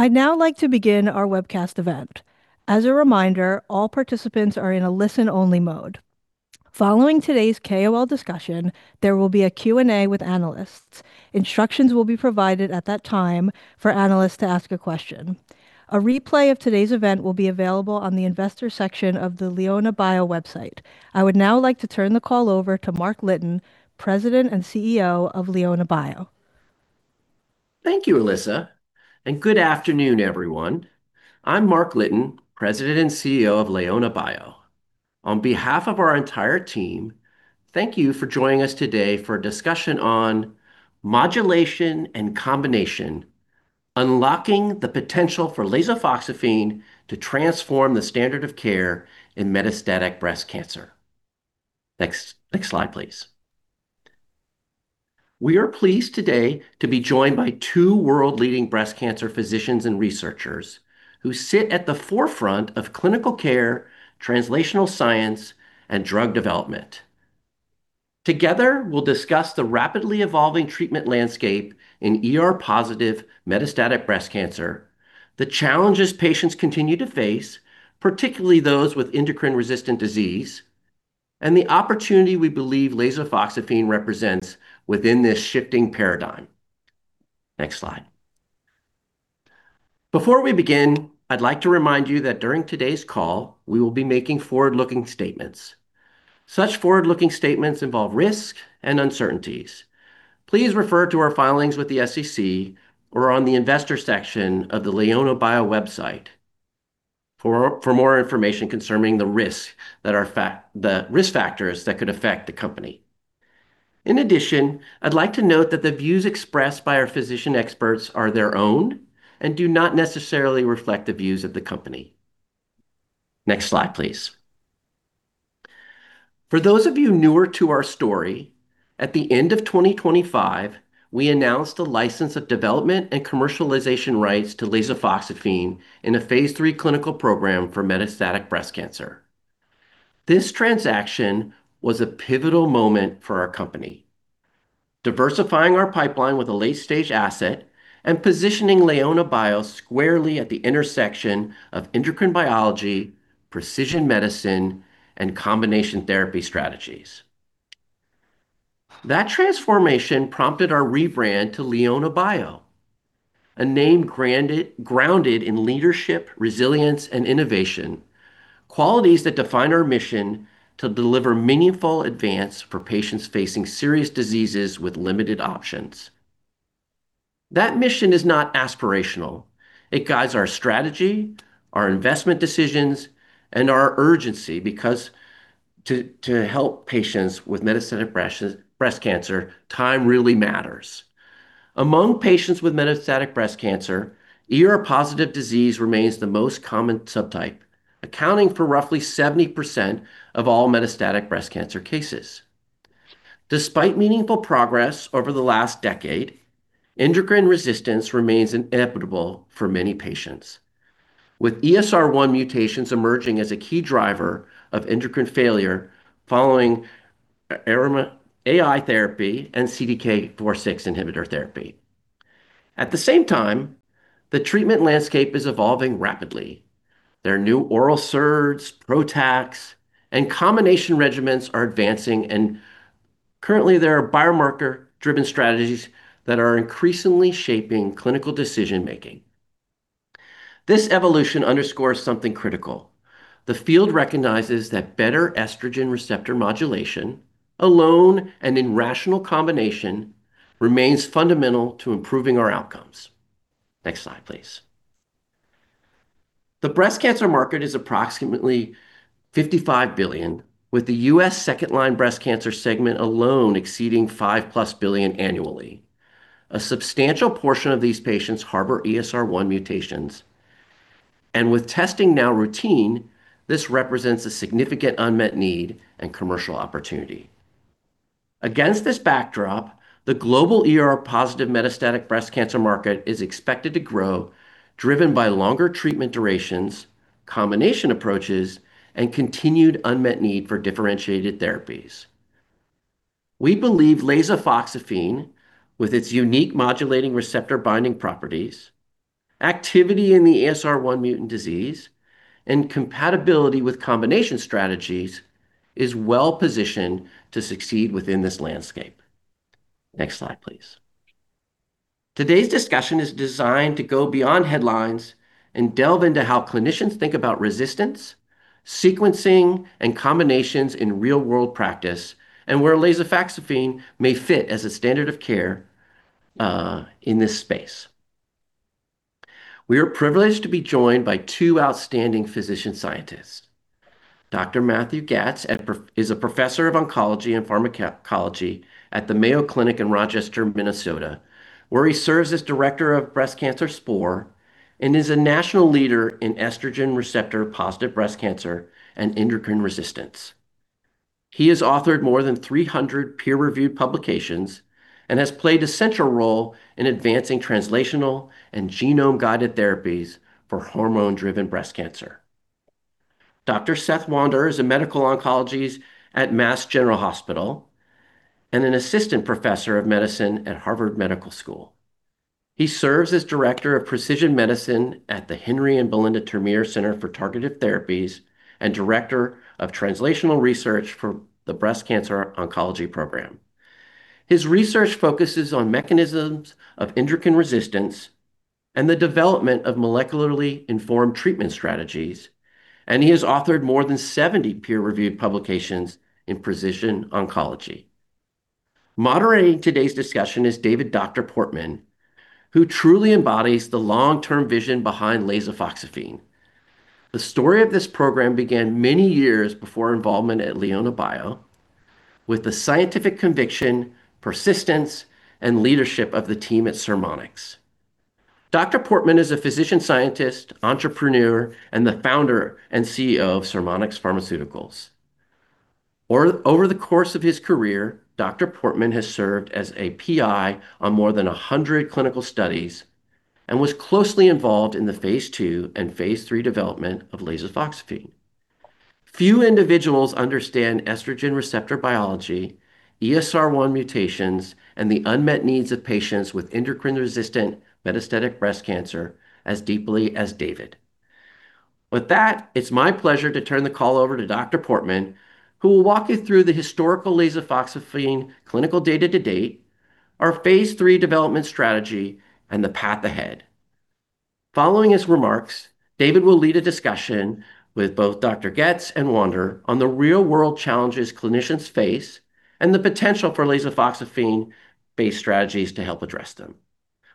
I'd now like to begin our webcast event. As a reminder, all participants are in a listen-only mode. Following today's KOL discussion, there will be a Q&A with analysts. Instructions will be provided at that time for analysts to ask a question. A replay of today's event will be available on the investor section of the LeonaBio website. I would now like to turn the call over to Mark Litton, President and CEO of LeonaBio. Thank you, Alyssa. Good afternoon, everyone. I'm Mark Litton, President and CEO of LeonaBio. On behalf of our entire team, thank you for joining us today for a discussion on Modulation and Combination: Unlocking the Potential for lasofoxifene to Transform the Standard of Care in metastatic breast cancer. Next slide, please. We are pleased today to be joined by two world-leading breast cancer physicians and researchers who sit at the forefront of clinical care, translational science, and drug development. Together, we'll discuss the rapidly evolving treatment landscape in ER-positive metastatic breast cancer, the challenges patients continue to face, particularly those with endocrine-resistant disease, and the opportunity we believe lasofoxifene represents within this shifting paradigm. Next slide. Before we begin, I'd like to remind you that during today's call, we will be making forward-looking statements. Such forward-looking statements involve risks and uncertainties. Please refer to our filings with the SEC or on the investor section of the LeonaBio website for more information concerning the risk factors that could affect the company. I'd like to note that the views expressed by our physician experts are their own and do not necessarily reflect the views of the company. Next slide, please. For those of you newer to our story, at the end of 2025, we announced the license of development and commercialization rights to lasofoxifene in a phase III clinical program for metastatic breast cancer. This transaction was a pivotal moment for our company, diversifying our pipeline with a late-stage asset and positioning LeonaBio squarely at the intersection of endocrine biology, precision medicine, and combination therapy strategies. That transformation prompted our rebrand to LeonaBio, a name grounded in leadership, resilience, and innovation, qualities that define our mission to deliver meaningful advance for patients facing serious diseases with limited options. That mission is not aspirational. It guides our strategy, our investment decisions, and our urgency because to help patients with metastatic breast cancer, time really matters. Among patients with metastatic breast cancer, ER-positive disease remains the most common subtype, accounting for roughly 70% of all metastatic breast cancer cases. Despite meaningful progress over the last decade, endocrine resistance remains inevitable for many patients. With ESR1 mutations emerging as a key driver of endocrine failure following AI therapy and CDK4/6 inhibitor therapy. At the same time, the treatment landscape is evolving rapidly. There are new oral SERDs, PROTACs, and combination regimens are advancing. Currently, there are biomarker-driven strategies that are increasingly shaping clinical decision-making. This evolution underscores something critical. The field recognizes that better estrogen receptor modulation, alone and in rational combination, remains fundamental to improving our outcomes. Next slide, please. The breast cancer market is approximately $55 billion, with the U.S. 2L breast cancer segment alone exceeding $5+ billion annually. A substantial portion of these patients harbor ESR1 mutations. With testing now routine, this represents a significant unmet need and commercial opportunity. Against this backdrop, the global ER-positive metastatic breast cancer market is expected to grow, driven by longer treatment durations, combination approaches, and continued unmet need for differentiated therapies. We believe lasofoxifene, with its unique modulating receptor binding properties, activity in the ESR1 mutant disease, and compatibility with combination strategies, is well-positioned to succeed within this landscape. Next slide, please. Today's discussion is designed to go beyond headlines and delve into how clinicians think about resistance, sequencing, and combinations in real-world practice and where lasofoxifene may fit as a standard of care in this space. We are privileged to be joined by two outstanding physician scientists. Dr. Matthew Goetz is a professor of oncology and pharmacology at the Mayo Clinic in Rochester, Minnesota, where he serves as director of Breast Cancer SPORE and is a national leader in estrogen receptor-positive breast cancer and endocrine resistance. He has authored more than 300 peer-reviewed publications and has played a central role in advancing translational and genome-guided therapies for hormone-driven breast cancer. Dr. Seth Wander is a medical oncologist at Massachusetts General Hospital and an assistant professor of medicine at Harvard Medical School. He serves as director of precision medicine at the Henri and Belinda Termeer Center for Targeted Therapies and director of translational research for the Breast Cancer Oncology Program. His research focuses on mechanisms of endocrine resistance and the development of molecularly informed treatment strategies, and he has authored more than 70 peer-reviewed publications in precision oncology. Moderating today's discussion is David Portmann, who truly embodies the long-term vision behind lasofoxifene. The story of this program began many years before involvement at LeonaBio with the scientific conviction, persistence, and leadership of the team at Sermonix Pharmaceuticals. Dr. Portmann is a physician-scientist, entrepreneur, and the founder and CEO of Sermonix Pharmaceuticals. Over the course of his career, Dr. Portmann has served as a PI on more than 100 clinical studies and was closely involved in the phase II and phase III development of lasofoxifene. Few individuals understand estrogen receptor biology, ESR1 mutations, and the unmet needs of patients with endocrine-resistant metastatic breast cancer as deeply as David. With that, it's my pleasure to turn the call over to Dr. Portmann, who will walk you through the historical lasofoxifene clinical data to date, our phase III development strategy, and the path ahead. Following his remarks, David will lead a discussion with both Dr. Goetz and Wander on the real-world challenges clinicians face and the potential for lasofoxifene-based strategies to help address them.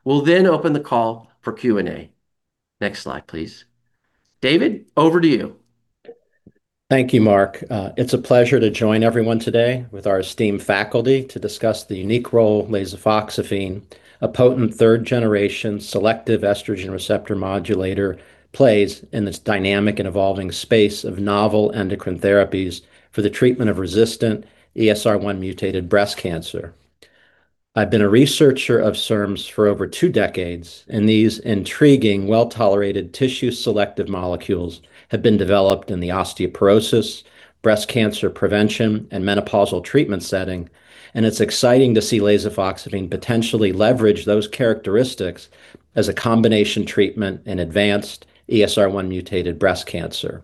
We'll then open the call for Q&A. Next slide, please. David, over to you. Thank you, Mark. It's a pleasure to join everyone today with our esteemed faculty to discuss the unique role lasofoxifene, a potent third-generation selective estrogen receptor modulator, plays in this dynamic and evolving space of novel endocrine therapies for the treatment of resistant ESR1-mutated breast cancer. I've been a researcher of SERMs for over two decades, these intriguing, well-tolerated tissue selective molecules have been developed in the osteoporosis, breast cancer prevention, and menopausal treatment setting. It's exciting to see lasofoxifene potentially leverage those characteristics as a combination treatment in advanced ESR1-mutated breast cancer.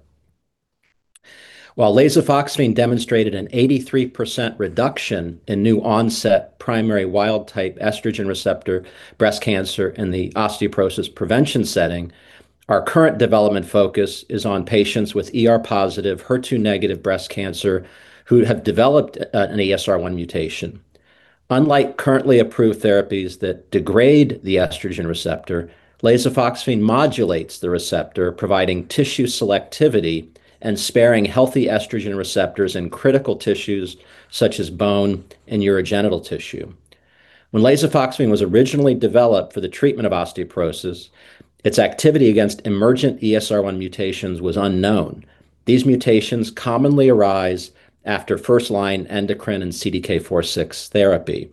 While lasofoxifene demonstrated an 83% reduction in new-onset primary wild-type estrogen receptor breast cancer in the osteoporosis prevention setting, our current development focus is on patients with ER-positive, HER2-negative breast cancer who have developed an ESR1 mutation. Unlike currently approved therapies that degrade the estrogen receptor, lasofoxifene modulates the receptor, providing tissue selectivity and sparing healthy estrogen receptors in critical tissues such as bone and urogenital tissue. When lasofoxifene was originally developed for the treatment of osteoporosis, its activity against emergent ESR1 mutations was unknown. These mutations commonly arise after first-line endocrine and CDK4/6 therapy.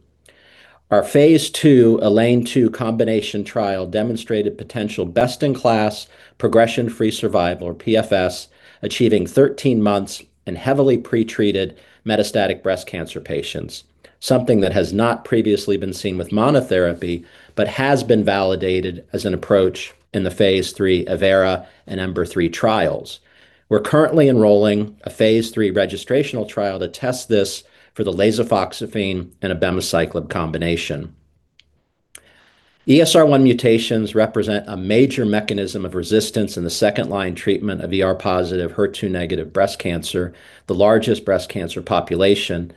Our phase II ELAINE 2 combination trial demonstrated potential best-in-class progression-free survival, or PFS, achieving 13 months in heavily pretreated metastatic breast cancer patients, something that has not previously been seen with monotherapy but has been validated as an approach in the phase III AMEERA and EMBER-3 trials. We're currently enrolling a phase III registrational trial to test this for the lasofoxifene and abemaciclib combination. ESR1 mutations represent a major mechanism of resistance in the second-line treatment of ER-positive, HER2-negative breast cancer, the largest breast cancer population.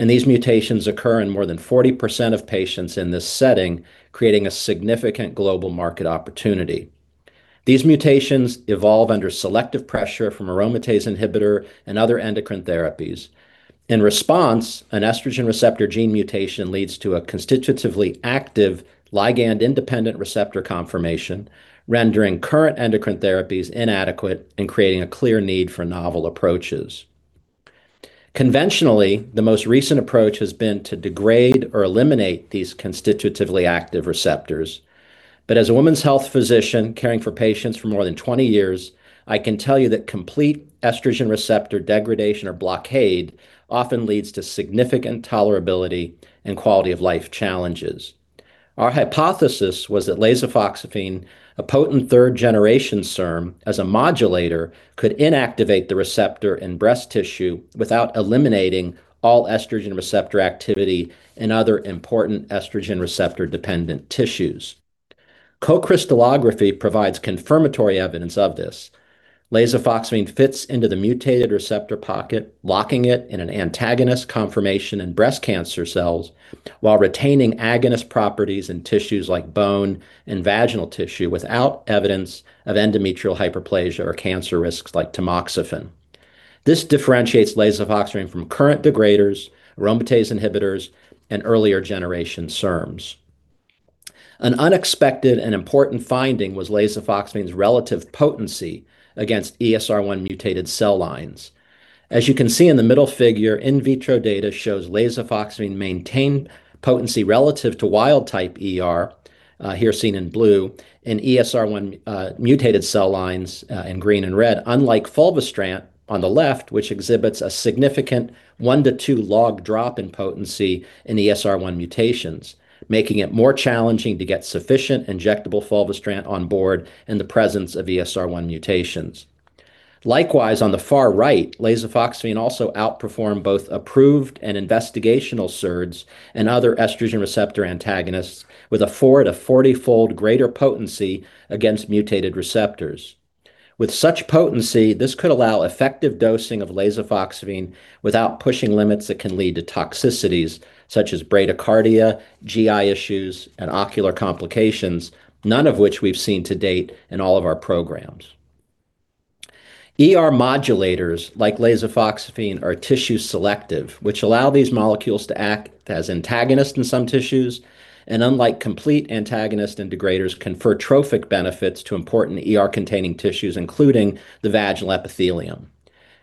These mutations occur in more than 40% of patients in this setting, creating a significant global market opportunity. These mutations evolve under selective pressure from aromatase inhibitor and other endocrine therapies. In response, an estrogen receptor gene mutation leads to a constitutively active ligand-independent receptor conformation, rendering current endocrine therapies inadequate and creating a clear need for novel approaches. Conventionally, the most recent approach has been to degrade or eliminate these constitutively active receptors. As a woman's health physician caring for patients for more than 20 years, I can tell you that complete estrogen receptor degradation or blockade often leads to significant tolerability and quality-of-life challenges. Our hypothesis was that lasofoxifene, a potent third-generation SERM, as a modulator, could inactivate the receptor in breast tissue without eliminating all estrogen receptor activity in other important estrogen receptor-dependent tissues. Co-crystallography provides confirmatory evidence of this. Lasofoxifene fits into the mutated receptor pocket, locking it in an antagonist conformation in breast cancer cells while retaining agonist properties in tissues like bone and vaginal tissue without evidence of endometrial hyperplasia or cancer risks like tamoxifen. This differentiates lasofoxifene from current degraders, aromatase inhibitors, and earlier-generation SERMs. An unexpected and important finding was lasofoxifene's relative potency against ESR1 mutated cell lines. As you can see in the middle figure, in vitro data shows lasofoxifene maintained potency relative to wild type ER, here seen in blue, and ESR1 mutated cell lines, in green and red, unlike fulvestrant on the left, which exhibits a significant 1-2 log drop in potency in ESR1 mutations, making it more challenging to get sufficient injectable fulvestrant on board in the presence of ESR1 mutations. Likewise, on the far right, lasofoxifene also outperformed both approved and investigational SERDs and other estrogen receptor antagonists with a four to 40-fold greater potency against mutated receptors. With such potency, this could allow effective dosing of lasofoxifene without pushing limits that can lead to toxicities such as bradycardia, GI issues, and ocular complications, none of which we've seen to date in all of our programs. ER modulators like lasofoxifene are tissue-selective, which allow these molecules to act as antagonists in some tissues, and unlike complete antagonist integrators, confer trophic benefits to important ER-containing tissues, including the vaginal epithelium.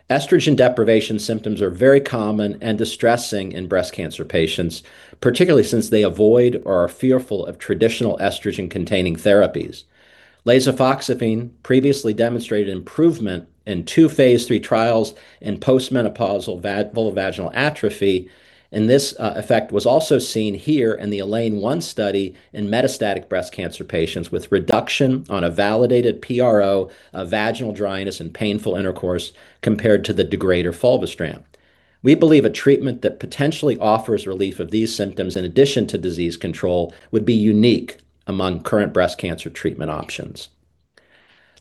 Estrogen deprivation symptoms are very common and distressing in breast cancer patients, particularly since they avoid or are fearful of traditional estrogen-containing therapies. Lasofoxifene previously demonstrated improvement in 2 phase III trials in post-menopausal vulvovaginal atrophy, and this effect was also seen here in the ELAINE 1 study in metastatic breast cancer patients with reduction on a validated PRO of vaginal dryness and painful intercourse compared to the degrader fulvestrant. We believe a treatment that potentially offers relief of these symptoms in addition to disease control would be unique among current breast cancer treatment options.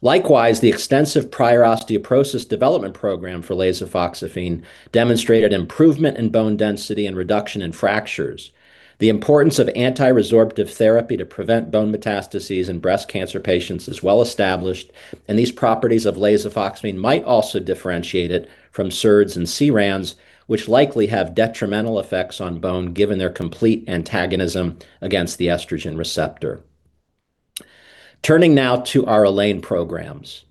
Likewise, the extensive prior osteoporosis development program for lasofoxifene demonstrated improvement in bone density and reduction in fractures. The importance of anti-resorptive therapy to prevent bone metastases in breast cancer patients is well-established, and these properties of lasofoxifene might also differentiate it from SERDs and SERMs, which likely have detrimental effects on bone given their complete antagonism against the estrogen receptor. Turning now to our ELAINE programs.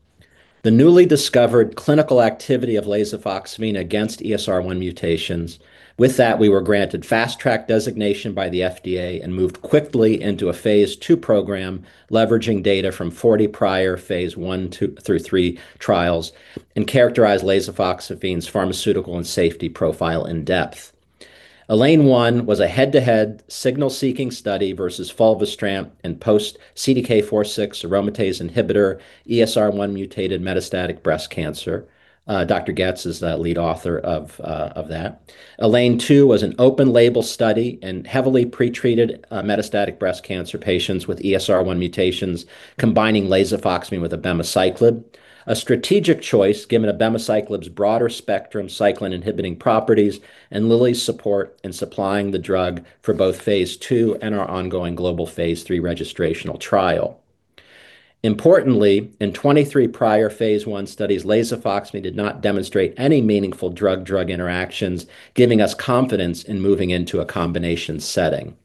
The newly discovered clinical activity of lasofoxifene against ESR1 mutations, with that we were granted fast-track designation by the FDA and moved quickly into a phase II program leveraging data from 40 prior phase I through III trials and characterized lasofoxifene's pharmaceutical and safety profile in depth. ELAINE 1 was a head-to-head signal-seeking study versus fulvestrant in Post-CDK4/6 aromatase inhibitor ESR1-mutated metastatic breast cancer. Dr. Goetz is the lead author of that. ELAINE 2 was an open-label study in heavily pretreated metastatic breast cancer patients with ESR1 mutations combining lasofoxifene with abemaciclib, a strategic choice given abemaciclib's broader-spectrum cyclin-inhibiting properties and Lilly's support in supplying the drug for both phase II and our ongoing global phase III registrational trial. Importantly, in 23 prior phase I studies, lasofoxifene did not demonstrate any meaningful drug-drug interactions, giving us confidence in moving into a combination setting.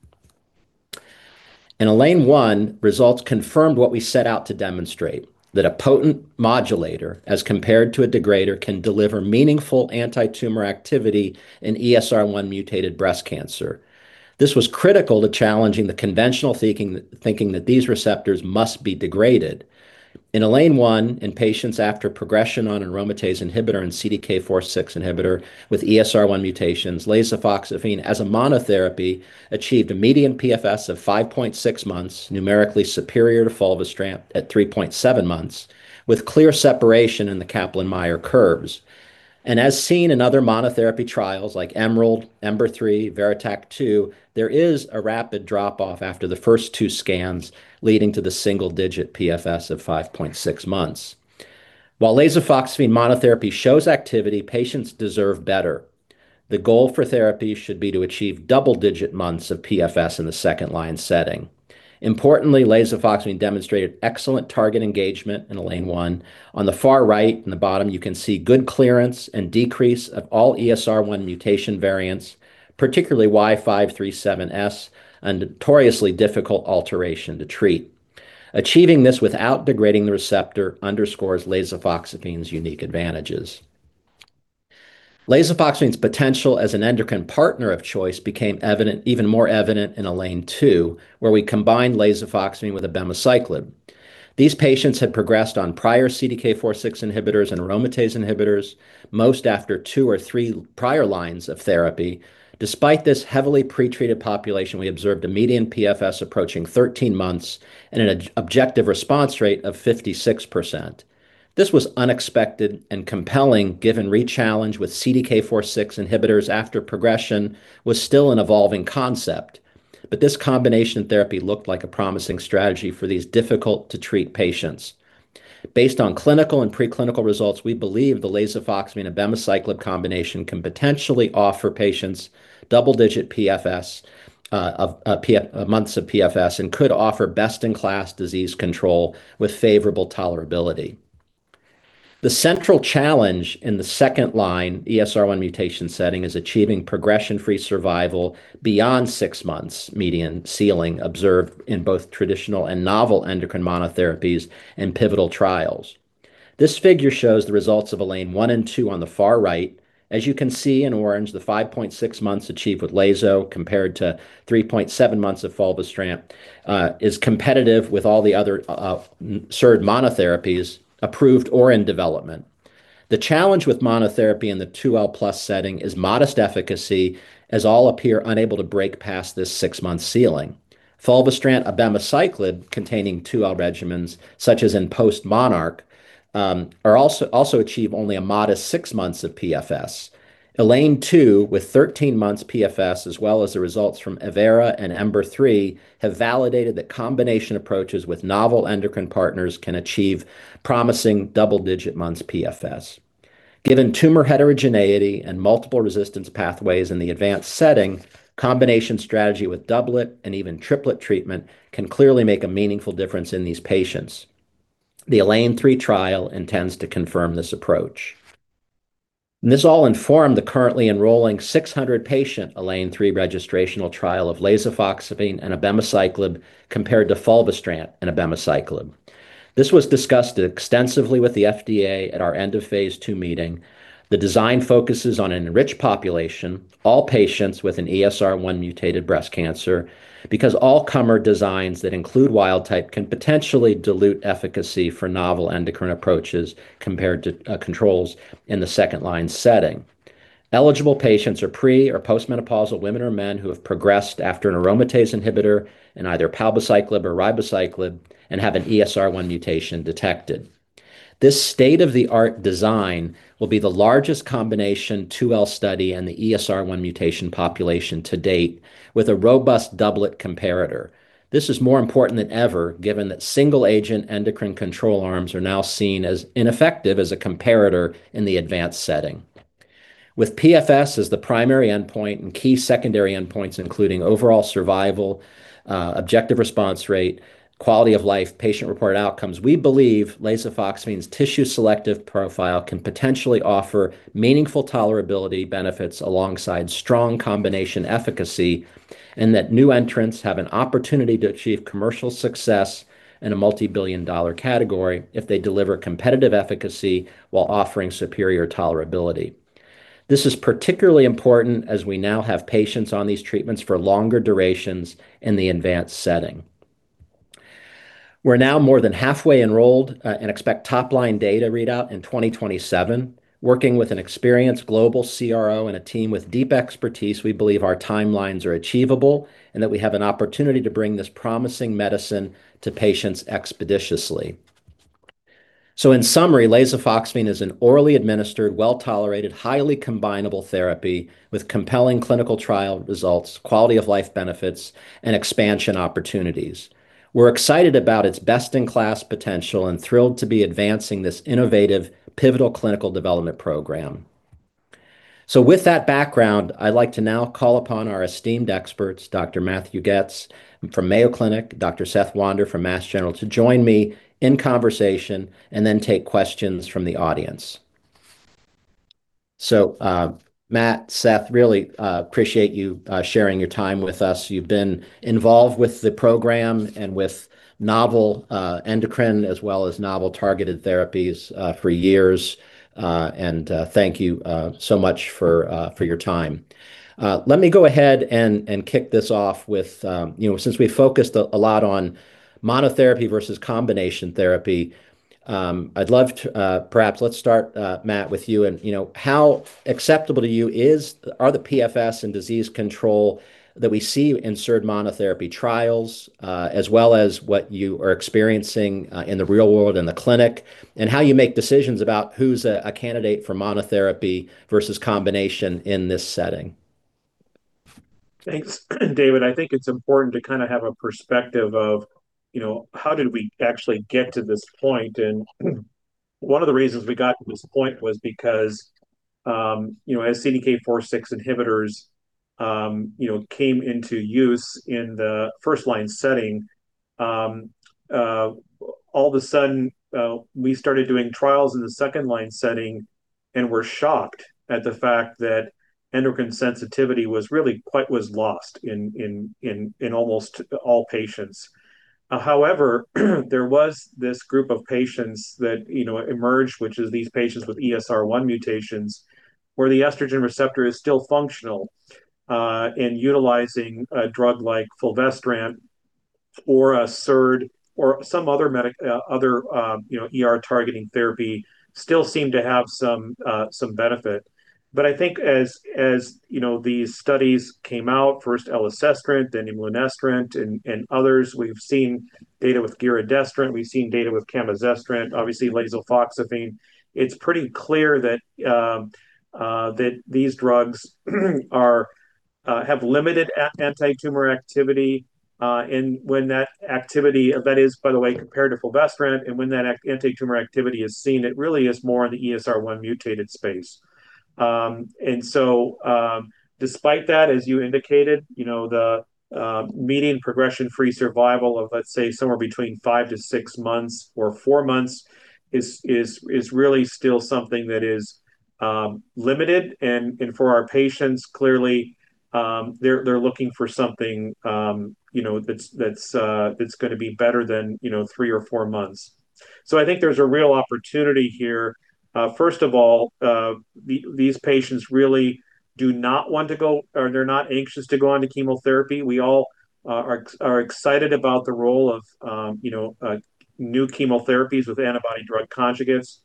In ELAINE 1, results confirmed what we set out to demonstrate, that a potent modulator, as compared to a degrader, can deliver meaningful anti-tumor activity in ESR1-mutated breast cancer. This was critical to challenging the conventional thinking that these receptors must be degraded. In ELAINE 1, in patients after progression on an aromatase inhibitor and CDK4/6 inhibitor with ESR1 mutations, lasofoxifene as a monotherapy achieved a median PFS of 5.6 months, numerically superior to fulvestrant at 3.7 months, with clear separation in the Kaplan-Meier curves. As seen in other monotherapy trials like EMERALD, EMBER-3, VERITAC-2, there is a rapid drop-off after the first 2 scans, leading to the single-digit PFS of 5.6 months. While lasofoxifene monotherapy shows activity, patients deserve better. The goal for therapy should be to achieve double-digit months of PFS in the second-line setting. Importantly, lasofoxifene demonstrated excellent target engagement in ELAINE 1. On the far right, in the bottom, you can see good clearance and decrease of all ESR1 mutation variants, particularly Y537S, a notoriously difficult alteration to treat. Achieving this without degrading the receptor underscores lasofoxifene's unique advantages. Lasofoxifene's potential as an endocrine partner of choice became even more evident in ELAINE 2, where we combined lasofoxifene with abemaciclib. These patients had progressed on prior CDK4/6 inhibitors and aromatase inhibitors, most after 2 or 3 prior lines of therapy. Despite this heavily pretreated population, we observed a median PFS approaching 13 months and an objective response rate of 56%. This was unexpected and compelling, given re-challenge with CDK4/6 inhibitors after progression was still an evolving concept. This combination therapy looked like a promising strategy for these difficult-to-treat patients. Based on clinical and preclinical results, we believe the lasofoxifene and abemaciclib combination can potentially offer patients double-digit months of PFS and could offer best-in-class disease control with favorable tolerability. The central challenge in the second-line ESR1 mutation setting is achieving progression-free survival beyond 6 months median ceiling observed in both traditional and novel endocrine monotherapies and pivotal trials. This figure shows the results of ELAINE 1 and 2 on the far right. As you can see in orange, the 5.6 months achieved with Lazo compared to 3.7 months of fulvestrant is competitive with all the other SERD monotherapies approved or in development. The challenge with monotherapy in the 2L+ setting is modest efficacy as all appear unable to break past this 6-month ceiling. Fulvestrant plus abemaciclib containing 2L regimens, such as in postMONARCH, are also achieve only a modest 6 months of PFS. ELAINE 2 with 13 months PFS as well as the results from EMERALD and EMBER-3 have validated that combination approaches with novel endocrine partners can achieve promising double-digit months PFS. Given tumor heterogeneity and multiple resistance pathways in the advanced setting, combination strategy with doublet and even triplet treatment can clearly make a meaningful difference in these patients. The ELAINE 3 trial intends to confirm this approach. This all informed the currently enrolling 600-patient ELAINE 3 registrational trial of lasofoxifene and abemaciclib compared to fulvestrant and abemaciclib. This was discussed extensively with the FDA at our end of phase II meeting. The design focuses on an enriched population, all patients with an ESR1-mutated breast cancer, because all-comer designs that include wild type can potentially dilute efficacy for novel endocrine approaches compared to controls in the second-line setting. Eligible patients are pre- or post-menopausal women or men who have progressed after an aromatase inhibitor in either palbociclib or ribociclib and have an ESR1 mutation detected. This state-of-the-art design will be the largest combination 2L study in the ESR1 mutation population to date with a robust doublet comparator. This is more important than ever given that single-agent endocrine control arms are now seen as ineffective as a comparator in the advanced setting. With PFS as the primary endpoint and key secondary endpoints including overall survival, objective response rate, quality of life, patient-reported outcomes, we believe lasofoxifene's tissue selective profile can potentially offer meaningful tolerability benefits alongside strong combination efficacy and that new entrants have an opportunity to achieve commercial success in a $ multi-billion dollar category if they deliver competitive efficacy while offering superior tolerability. This is particularly important as we now have patients on these treatments for longer durations in the advanced setting. We're now more than halfway enrolled and expect top-line data readout in 2027. Working with an experienced global CRO and a team with deep expertise, we believe our timelines are achievable and that we have an opportunity to bring this promising medicine to patients expeditiously. In summary, lasofoxifene is an orally administered, well-tolerated, highly combinable therapy with compelling clinical trial results, quality of life benefits and expansion opportunities. We're excited about its best-in-class potential and thrilled to be advancing this innovative pivotal clinical development program. With that background, I'd like to now call upon our esteemed experts, Dr. Matthew Goetz from Mayo Clinic, Dr. Seth Wander from Mass General, to join me in conversation and then take questions from the audience. Matthew, Seth, really appreciate you sharing your time with us. You've been involved with the program and with novel endocrine as well as novel targeted therapies for years. Thank you so much for your time. Let me go ahead and kick this off with, you know, since we focused a lot on monotherapy versus combination therapy, perhaps let's start, Matthew Goetz, with you and, you know, how acceptable to you are the PFS and disease control that we see in SERD monotherapy trials, as well as what you are experiencing, in the real world in the clinic, and how you make decisions about who's a candidate for monotherapy versus combination in this setting? Thanks, David. I think it's important to kind of have a perspective of, you know, how did we actually get to this point? One of the reasons we got to this point was because, you know, as CDK4/6 inhibitors, you know, came into use in the first-line setting, all of a sudden, we started doing trials in the second-line setting and were shocked at the fact that endocrine sensitivity was lost in almost all patients. However, there was this group of patients that, you know, emerged, which is these patients with ESR1 mutations, where the estrogen receptor is still functional, in utilizing a drug like fulvestrant or a SERD or some other, you know, ER-targeting therapy still seem to have some benefit. I think as, you know, these studies came out, first elacestrant, then imlunestrant and others. We've seen data with giredestrant. We've seen data with camizestrant, obviously lasofoxifene. It's pretty clear that these drugs have limited anti-tumor activity. When that activity, that is by the way compared to fulvestrant, and when that anti-tumor activity is seen, it really is more in the ESR1 mutated space. Despite that, as you indicated, you know, the median progression-free survival of, let's say, somewhere between 5-6 months or 4 months is really still something that is limited. For our patients, clearly, they're looking for something, you know, that's, that's gonna be better than, you know, 3 or 4 months. I think there's a real opportunity here. First of all, these patients really do not want to go, or they're not anxious to go onto chemotherapy. We all are excited about the role of, you know, new chemotherapies with antibody drug conjugates.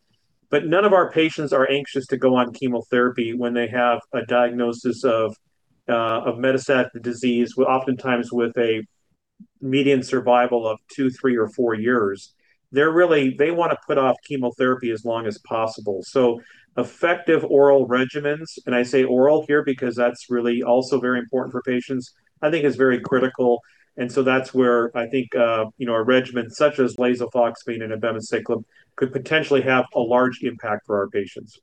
None of our patients are anxious to go on chemotherapy when they have a diagnosis of metastatic disease. Oftentimes with a median survival of 2, 3, or 4 years. They wanna put off chemotherapy as long as possible. Effective oral regimens, and I say oral here because that's really also very important for patients, I think is very critical. That's where I think, you know, a regimen such as lasofoxifene and abemaciclib could potentially have a large impact for our patients.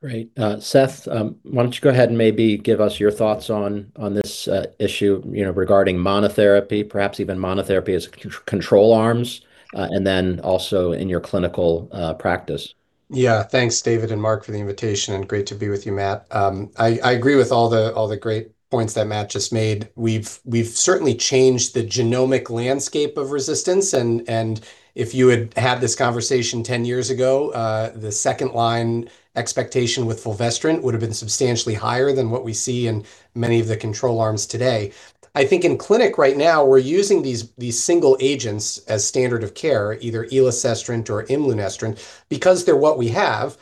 Great. Seth, why don't you go ahead and maybe give us your thoughts on this issue, you know, regarding monotherapy, perhaps even monotherapy as control arms, and then also in your clinical practice. Yeah. Thanks, David and Mark, for the invitation, and great to be with you, Matthew. I agree with all the, all the great points that Matthew just made. We've certainly changed the genomic landscape of resistance and if you had had this conversation 10 years ago, the second line expectation with fulvestrant would have been substantially higher than what we see in many of the control arms today. I think in clinic right now, we're using these single agents as standard of care, either elacestrant or imlunestrant, because they're what we have.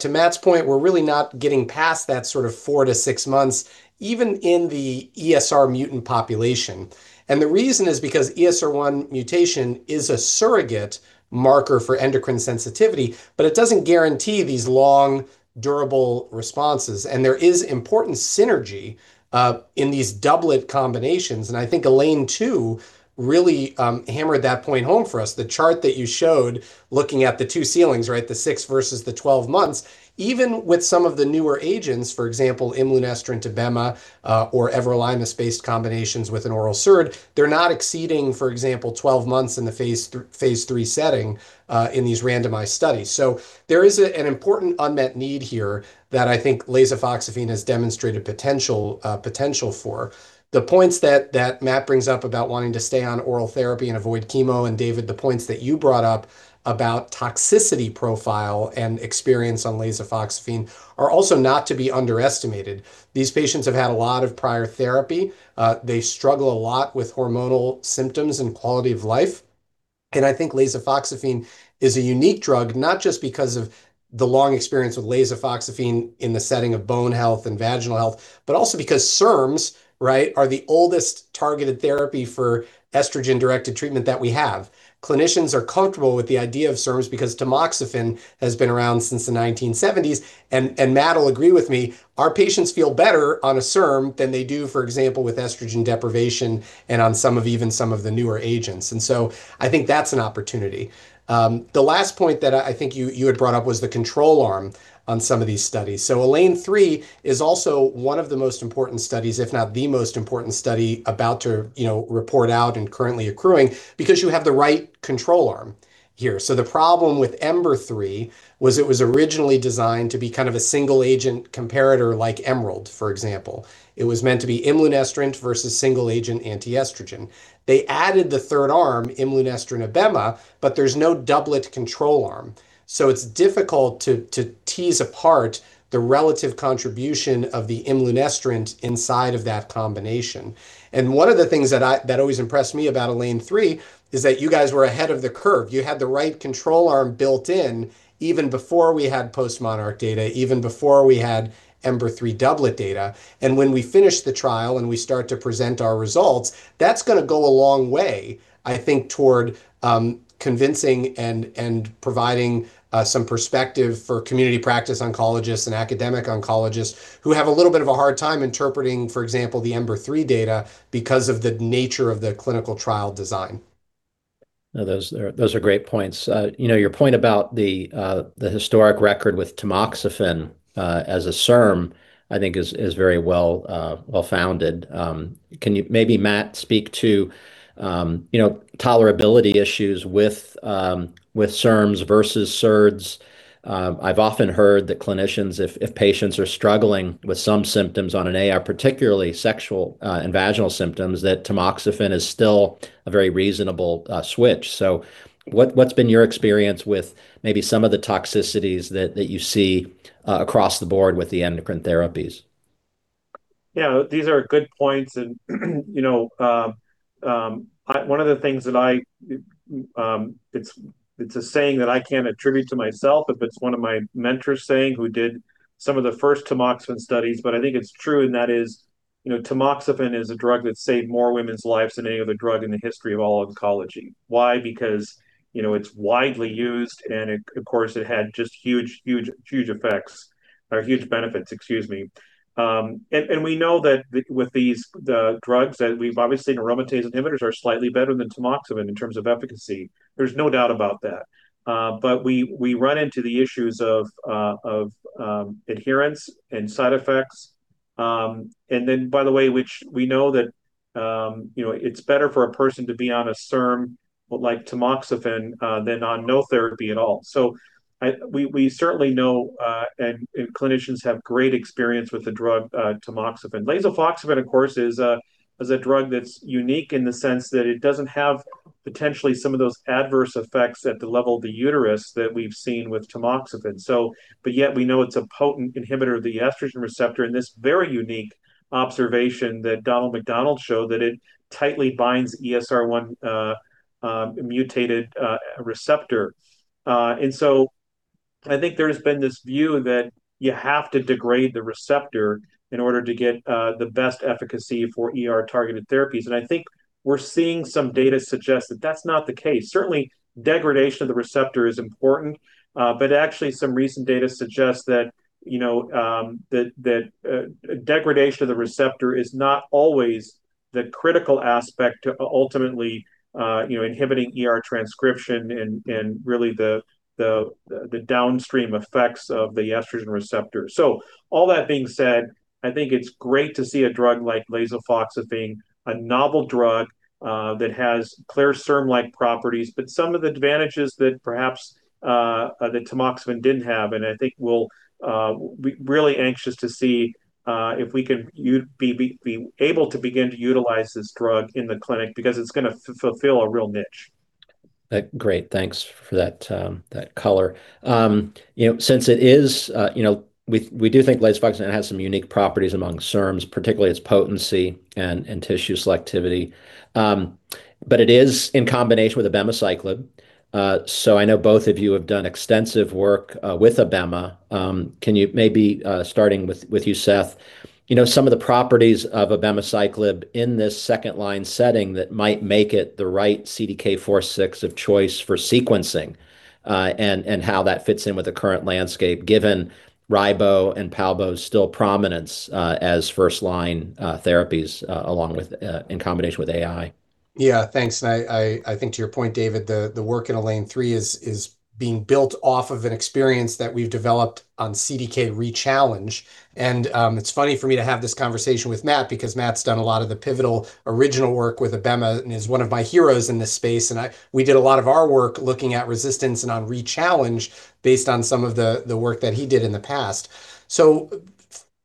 To Matthew's point, we're really not getting past that sort of four to six months, even in the ESR mutant population. The reason is because ESR1 mutation is a surrogate marker for endocrine sensitivity, but it doesn't guarantee these long, durable responses. There is important synergy in these doublet combinations. I think ELAINE 2 really hammered that point home for us. The chart that you showed looking at the 2 ceilings, right? The 6 versus the 12 months. Even with some of the newer agents, for example, imlunestrant, abemaciclib, or everolimus-based combinations with an oral SERD, they're not exceeding, for example, 12 months in the phase III setting in these randomized studies. There is an important unmet need here that I think lasofoxifene has demonstrated potential potential for. The points that Matthew brings up about wanting to stay on oral therapy and avoid chemo, and David, the points that you brought up about toxicity profile and experience on lasofoxifene are also not to be underestimated. These patients have had a lot of prior therapy. They struggle a lot with hormonal symptoms and quality of life. I think lasofoxifene is a unique drug, not just because of the long experience with lasofoxifene in the setting of bone health and vaginal health, but also because SERMs, right, are the oldest targeted therapy for estrogen-directed treatment that we have. Clinicians are comfortable with the idea of SERMs because tamoxifen has been around since the 1970s. Matthew will agree with me, our patients feel better on a SERM than they do, for example, with estrogen deprivation and on some of even some of the newer agents. I think that's an opportunity. The last point that I think you had brought up was the control arm on some of these studies. ELAINE 3 is also one of the most important studies, if not the most important study about to, you know, report out and currently accruing because you have the right control arm here. The problem with EMBER-3 was it was originally designed to be kind of a single agent comparator like EMERALD, for example. It was meant to be imlunestrant versus single agent anti-estrogen. They added the third arm, imlunestrant abemaciclib, but there's no doublet control arm. It's difficult to tease apart the relative contribution of the imlunestrant inside of that combination. One of the things that always impressed me about ELAINE 3 is that you guys were ahead of the curve. You had the right control arm built in even before we had postMONARCH data, even before we had EMBER-3 doublet data. When we finish the trial and we start to present our results, that's gonna go a long way, I think, toward convincing and providing some perspective for community practice oncologists and academic oncologists who have a little bit of a hard time interpreting, for example, the EMBER-3 data because of the nature of the clinical trial design. Those are great points. You know, your point about the historic record with tamoxifen, as a SERM, I think is very well, well-founded. Can you maybe, Matthew, speak to, you know, tolerability issues with SERMs versus SERDs? I've often heard that clinicians if patients are struggling with some symptoms on an ER, particularly sexual, and vaginal symptoms, that tamoxifen is still a very reasonable, switch. What's been your experience with maybe some of the toxicities that you see across the board with the endocrine therapies? Yeah. These are good points. You know, one of the things that I, it's a saying that I can't attribute to myself if it's one of my mentors saying who did some of the first tamoxifen studies, but I think it's true, and that is. You know, tamoxifen is a drug that saved more women's lives than any other drug in the history of all oncology. Why? You know, it's widely used and it, of course, it had just huge effects, or huge benefits, excuse me. We know that with these, the drugs that we've obviously seen, aromatase inhibitors are slightly better than tamoxifen in terms of efficacy. There's no doubt about that. We run into the issues of adherence and side effects. Then by the way, which we know that, you know, it's better for a person to be on a SERM like tamoxifen than on no therapy at all. I, we certainly know, and clinicians have great experience with the drug, tamoxifen. Lasofoxifene, of course, is a drug that's unique in the sense that it doesn't have potentially some of those adverse effects at the level of the uterus that we've seen with tamoxifen. But yet we know it's a potent inhibitor of the estrogen receptor, and this very unique observation that Donald McDonnell showed that it tightly binds ESR1 mutated receptor. I think there's been this view that you have to degrade the receptor in order to get the best efficacy for ER-targeted therapies. I think we're seeing some data suggest that that's not the case. Certainly, degradation of the receptor is important, but actually some recent data suggests that, you know, that degradation of the receptor is not always the critical aspect to ultimately, you know, inhibiting ER transcription and really the downstream effects of the estrogen receptor. All that being said, I think it's great to see a drug like lasofoxifene, a novel drug, that has clear SERM-like properties, but some of the advantages that perhaps that tamoxifen didn't have. I think we'll be really anxious to see if we can be able to begin to utilize this drug in the clinic because it's gonna fulfill a real niche. Great. Thanks for that color. You know, since it is, you know, we do think lasofoxifene has some unique properties among SERMs, particularly its potency and tissue selectivity. It is in combination with abemaciclib. I know both of you have done extensive work with abemaciclib. Can you maybe, starting with you, Seth, you know, some of the properties of abemaciclib in this second-line setting that might make it the right CDK4/6 of choice for sequencing, and how that fits in with the current landscape, given ribo and palbo's still prominence as first-line therapies along with in combination with AI. Yeah. Thanks. I think to your point, David, the work in ELAINE III is being built off of an experience that we've developed on CDK re-challenge. It's funny for me to have this conversation with Matthew because Matthew's done a lot of the pivotal original work with abemaciclib and is one of my heroes in this space. We did a lot of our work looking at resistance and on re-challenge based on some of the work that he did in the past.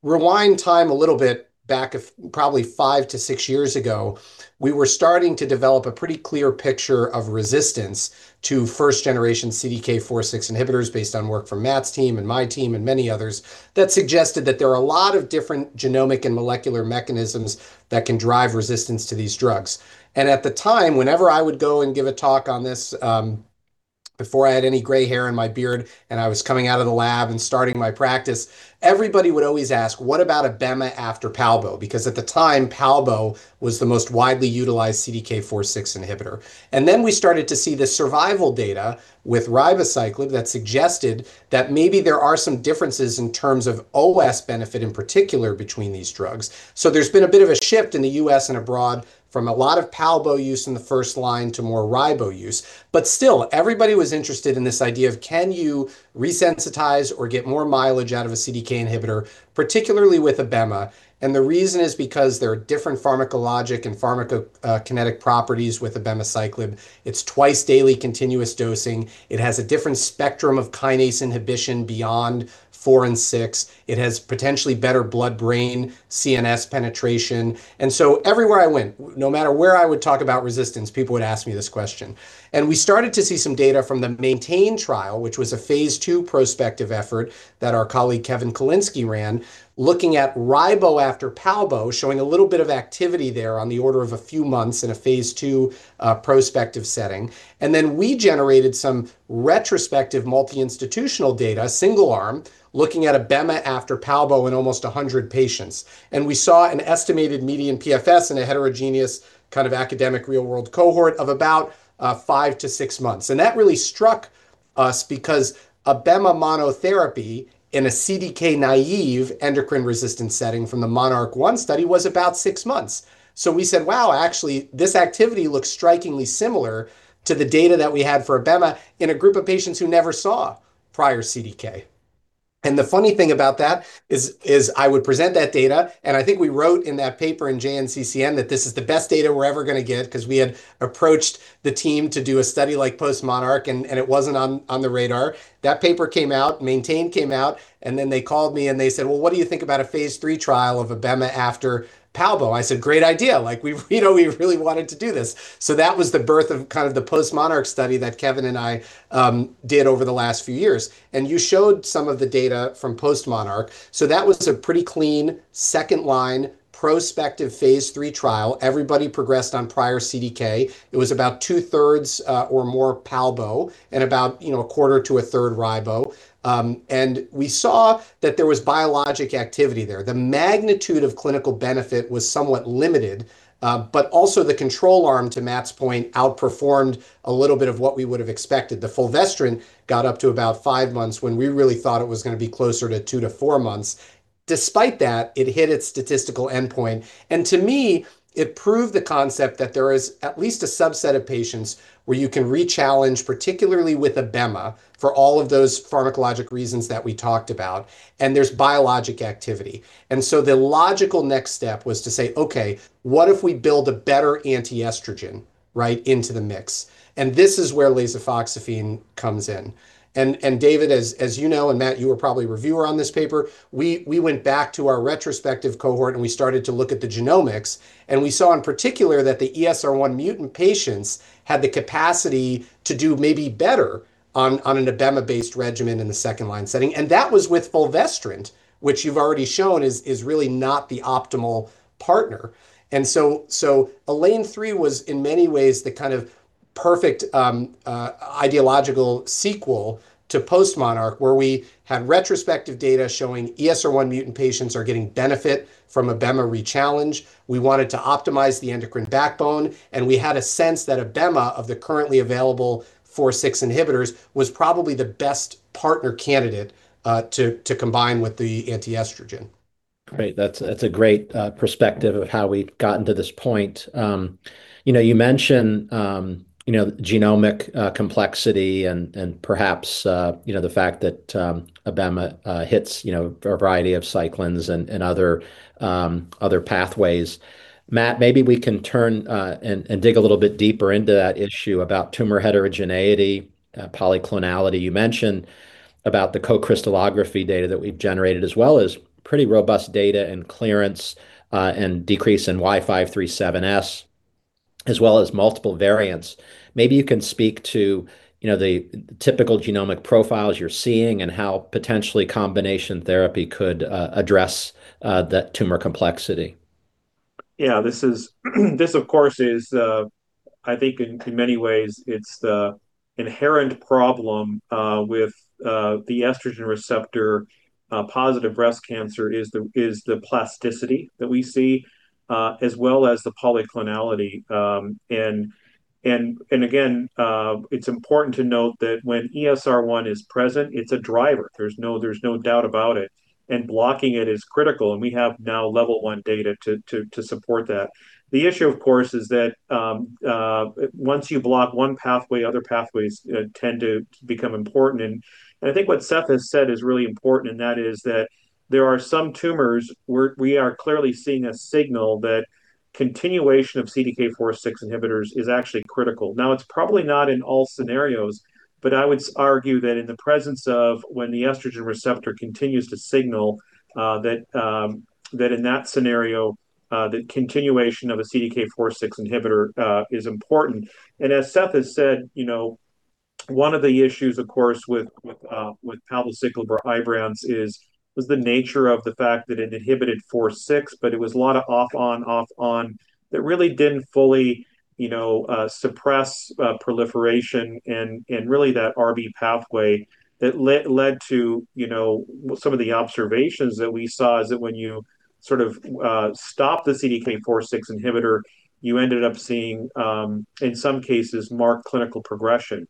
Rewind time a little bit back of probably 5 to 6 years ago, we were starting to develop a pretty clear picture of resistance to first-generation CDK4/6 inhibitors based on work from Matthew's team and my team and many others that suggested that there are a lot of different genomic and molecular mechanisms that can drive resistance to these drugs. At the time, whenever I would go and give a talk on this, before I had any gray hair in my beard and I was coming out of the lab and starting my practice, everybody would always ask, "What about abemaciclib after palbo?" Because at the time, palbo was the most widely utilized CDK4/6 inhibitor. We started to see the survival data with ribociclib that suggested that maybe there are some differences in terms of OS benefit in particular between these drugs. There's been a bit of a shift in the U.S. and abroad from a lot of palbociclib use in the first line to more ribociclib use. Still, everybody was interested in this idea of can you resensitize or get more mileage out of a CDK inhibitor, particularly with abema? The reason is because there are different pharmacologic and pharmacokinetic properties with abemaciclib. It's twice-daily continuous dosing. It has a different spectrum of kinase inhibition beyond 4 and 6. It has potentially better blood-brain CNS penetration. Everywhere I went, no matter where I would talk about resistance, people would ask me this question. We started to see some data from the MAINTAIN trial, which was a phase II prospective effort that our colleague Kevin Kalinsky ran, looking at ribo after palbo, showing a little bit of activity there on the order of a few months in a phase II prospective setting. We generated some retrospective multi-institutional data, single arm, looking at abema after palbo in almost 100 patients. We saw an estimated median PFS in a heterogeneous kind of academic real-world cohort of about 5-6 months. That really struck us because abema monotherapy in a CDK-naive endocrine-resistant setting from the MONARCH-1 study was about 6 months. We said, "Wow, actually, this activity looks strikingly similar to the data that we had for abema in a group of patients who never saw prior CDK." The funny thing about that is I would present that data, and I think we wrote in that paper in JNCCN that this is the best data we're ever gonna get 'cause we had approached the team to do a study like postMONARCH and it wasn't on the radar. That paper came out, MAINTAIN came out, they called me and they said, "Well, what do you think about a phase III trial of abema after palbociclib?" I said, "Great idea." Like we've you know, we really wanted to do this. That was the birth of kind of the postMONARCH study that Kevin and I did over the last few years. You showed some of the data from post-MONARCH. That was a pretty clean second-line prospective phase III trial. Everybody progressed on prior CDK. It was about 2/3, or more palbo and about, you know, a quarter to a third ribo. We saw that there was biologic activity there. The magnitude of clinical benefit was somewhat limited, but also the control arm, to Matthew's point, outperformed a little bit of what we would have expected. The fulvestrant got up to about 5 months when we really thought it was gonna be closer to 2-4 months. Despite that, it hit its statistical endpoint. To me, it proved the concept that there is at least a subset of patients where you can re-challenge, particularly with abema, for all of those pharmacologic reasons that we talked about, and there's biologic activity. The logical next step was to say, "Okay, what if we build a better anti-estrogen right into the mix?" This is where lasofoxifene comes in. David, as you know, and Matthew, you were probably a reviewer on this paper, we went back to our retrospective cohort and we started to look at the genomics, and we saw in particular that the ESR1 mutant patients had the capacity to do maybe better on an abema-based regimen in the second line setting. That was with fulvestrant, which you've already shown is really not the optimal partner. So ELAINE 3 was in many ways the kind of perfect ideological sequel to postMONARCH where we had retrospective data showing ESR1 mutant patients are getting benefit from abema re-challenge. We wanted to optimize the endocrine backbone, and we had a sense that abema of the currently available CDK4/6 inhibitors was probably the best partner candidate, to combine with the anti-estrogen. Great. That's a great perspective of how we've gotten to this point. You know, you mentioned, you know, genomic complexity and perhaps, you know, the fact that abema hits, you know, a variety of cyclins and other pathways. Matthew, maybe we can turn and dig a little bit deeper into that issue about tumor heterogeneity, polyclonal. You mentioned about the co-crystallography data that we've generated as well as pretty robust data and clearance and decrease in Y537S as well as multiple variants. Maybe you can speak to, you know, the typical genomic profiles you're seeing and how potentially combination therapy could address that tumor complexity. Yeah, this of course is, I think in many ways it's the inherent problem with the estrogen receptor. Positive breast cancer is the plasticity that we see, as well as the polyclonal. Again, it's important to note that when ESR1 is present, it's a driver. There's no doubt about it, and blocking it is critical, and we have now level one data to support that. The issue of course is that, once you block one pathway, other pathways tend to become important. I think what Seth has said is really important, and that is that there are some tumors where we are clearly seeing a signal that continuation of CDK4/6 inhibitors is actually critical. Now, it's probably not in all scenarios, but I would argue that in the presence of when the estrogen receptor continues to signal, that in that scenario, the continuation of a CDK4/6 inhibitor is important. As Seth has said, you know, one of the issues of course with palbociclib or Ibrance is, was the nature of the fact that it inhibited 4/6, but it was a lot of off-on, off-on that really didn't fully, you know, suppress proliferation and really that RB pathway that led to, you know, some of the observations that we saw is that when you sort of stop the CDK4/6 inhibitor, you ended up seeing in some cases marked clinical progression.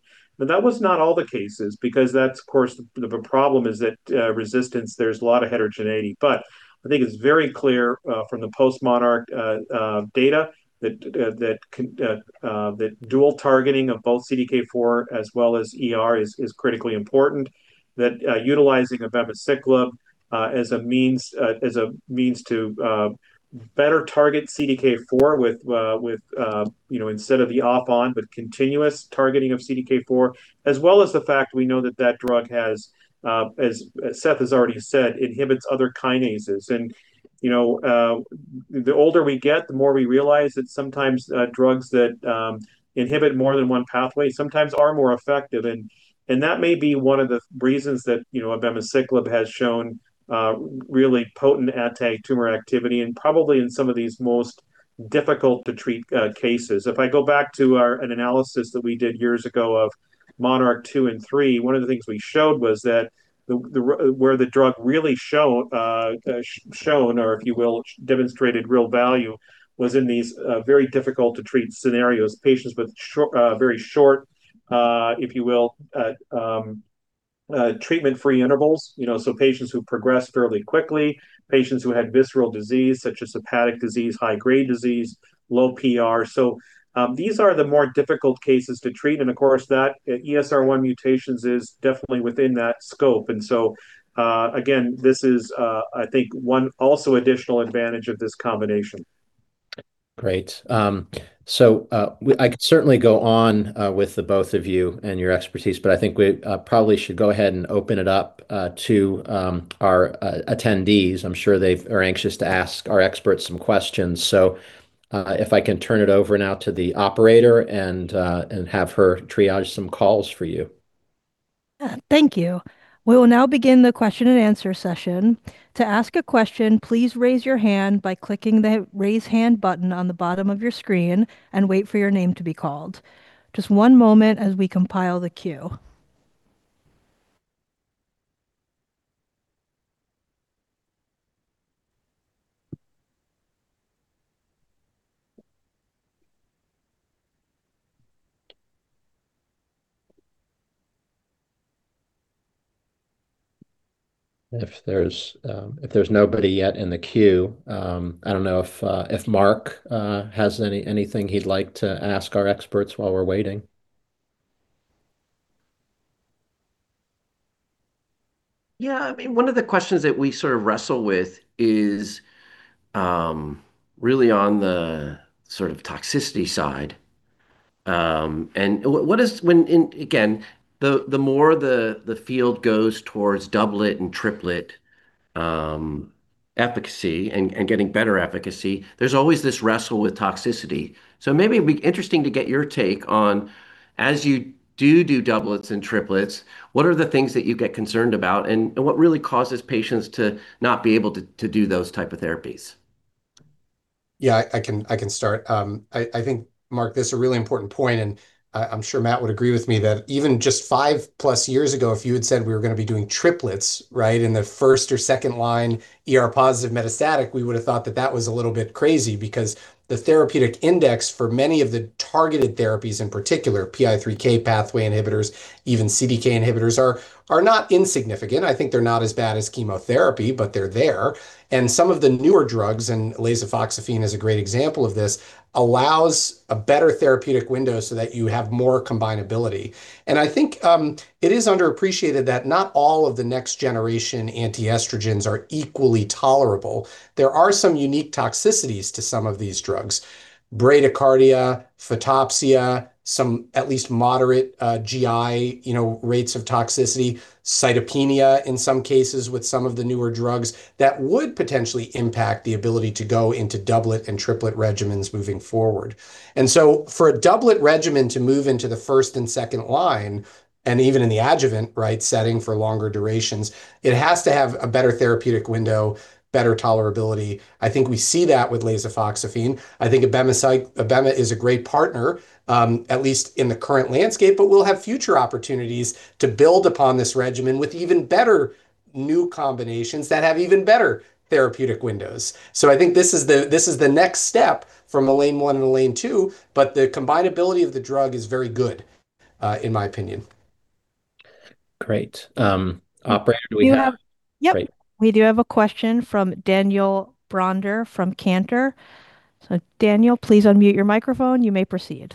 That was not all the cases because that's of course the problem is that resistance, there's a lot of heterogeneity. I think it's very clear from the postMONARCH data that dual targeting of both CDK4 as well as ER is critically important. That utilizing abemaciclib as a means to better target CDK4 with, you know, instead of the off-on, but continuous targeting of CDK4. As well as the fact we know that that drug has as Seth has already said, inhibits other kinases. You know, the older we get, the more we realize that sometimes drugs that inhibit more than one pathway sometimes are more effective. That may be one of the reasons that, you know, abemaciclib has shown really potent anti-tumor activity and probably in some of these most difficult to treat cases. If I go back to our, an analysis that we did years ago of MONARCH 2 and 3, one of the things we showed was that the, where the drug really shown or if you will, demonstrated real value was in these very difficult to treat scenarios. Patients with very short, if you will, treatment-free intervals. You know, patients who progressed fairly quickly, patients who had visceral disease such as hepatic disease, high-grade disease, low PR. These are the more difficult cases to treat and of course that ESR1 mutations is definitely within that scope. Again, this is, I think one also additional advantage of this combination. Great. I could certainly go on with the both of you and your expertise, but I think we probably should go ahead and open it up to our attendees. I am sure they are anxious to ask our experts some questions. If I can turn it over now to the operator and have her triage some calls for you. Yeah. Thank you. We will now begin the question and answer session. To ask a question, please raise your hand by clicking the Raise Hand button on the bottom of your screen and wait for your name to be called. Just one moment as we compile the queue. If there's, if there's nobody yet in the queue, I don't know if Mark has anything he'd like to ask our experts while we're waiting. Yeah. I mean, one of the questions that we sort of wrestle with is really on the sort of toxicity side. Again, the more the field goes towards doublet and triplet, efficacy and getting better efficacy, there's always this wrestle with toxicity. Maybe it would be interesting to get your take on, as you do doublets and triplets, what are the things that you get concerned about and what really causes patients to not be able to do those type of therapies? Yeah. I can, I can start. I think, Mark, this a really important point, and I'm sure Matthew would agree with me that even just 5-plus years ago if you had said we were gonna be doing triplets, right, in the first or second line ER-positive metastatic, we would have thought that that was a little bit crazy. The therapeutic index for many of the targeted therapies in particular, PI3K pathway inhibitors, even CDK inhibitors are not insignificant. I think they're not as bad as chemotherapy, but they're there. Some of the newer drugs, and lasofoxifene is a great example of this, allows a better therapeutic window so that you have more combinability. I think it is underappreciated that not all of the next generation antiestrogens are equally tolerable. There are some unique toxicities to some of these drugs. Bradycardia, photopsia, some at least moderate, GI, you know, rates of toxicity, cytopenia in some cases with some of the newer drugs that would potentially impact the ability to go into doublet and triplet regimens moving forward. For a doublet regimen to move into the first and second line, and even in the adjuvant, right, setting for longer durations, it has to have a better therapeutic window, better tolerability. I think we see that with lasofoxifene. I think abema is a great partner, at least in the current landscape, we'll have future opportunities to build upon this regimen with even better new combinations that have even better therapeutic windows. I think this is the next step from ELAINE 1 and ELAINE 2, the combinability of the drug is very good, in my opinion. Great. operator, do we have? You have. Yep. We do have a question from Daniel Bronder from Cantor Fitzgerald. Daniel, please unmute your microphone. You may proceed.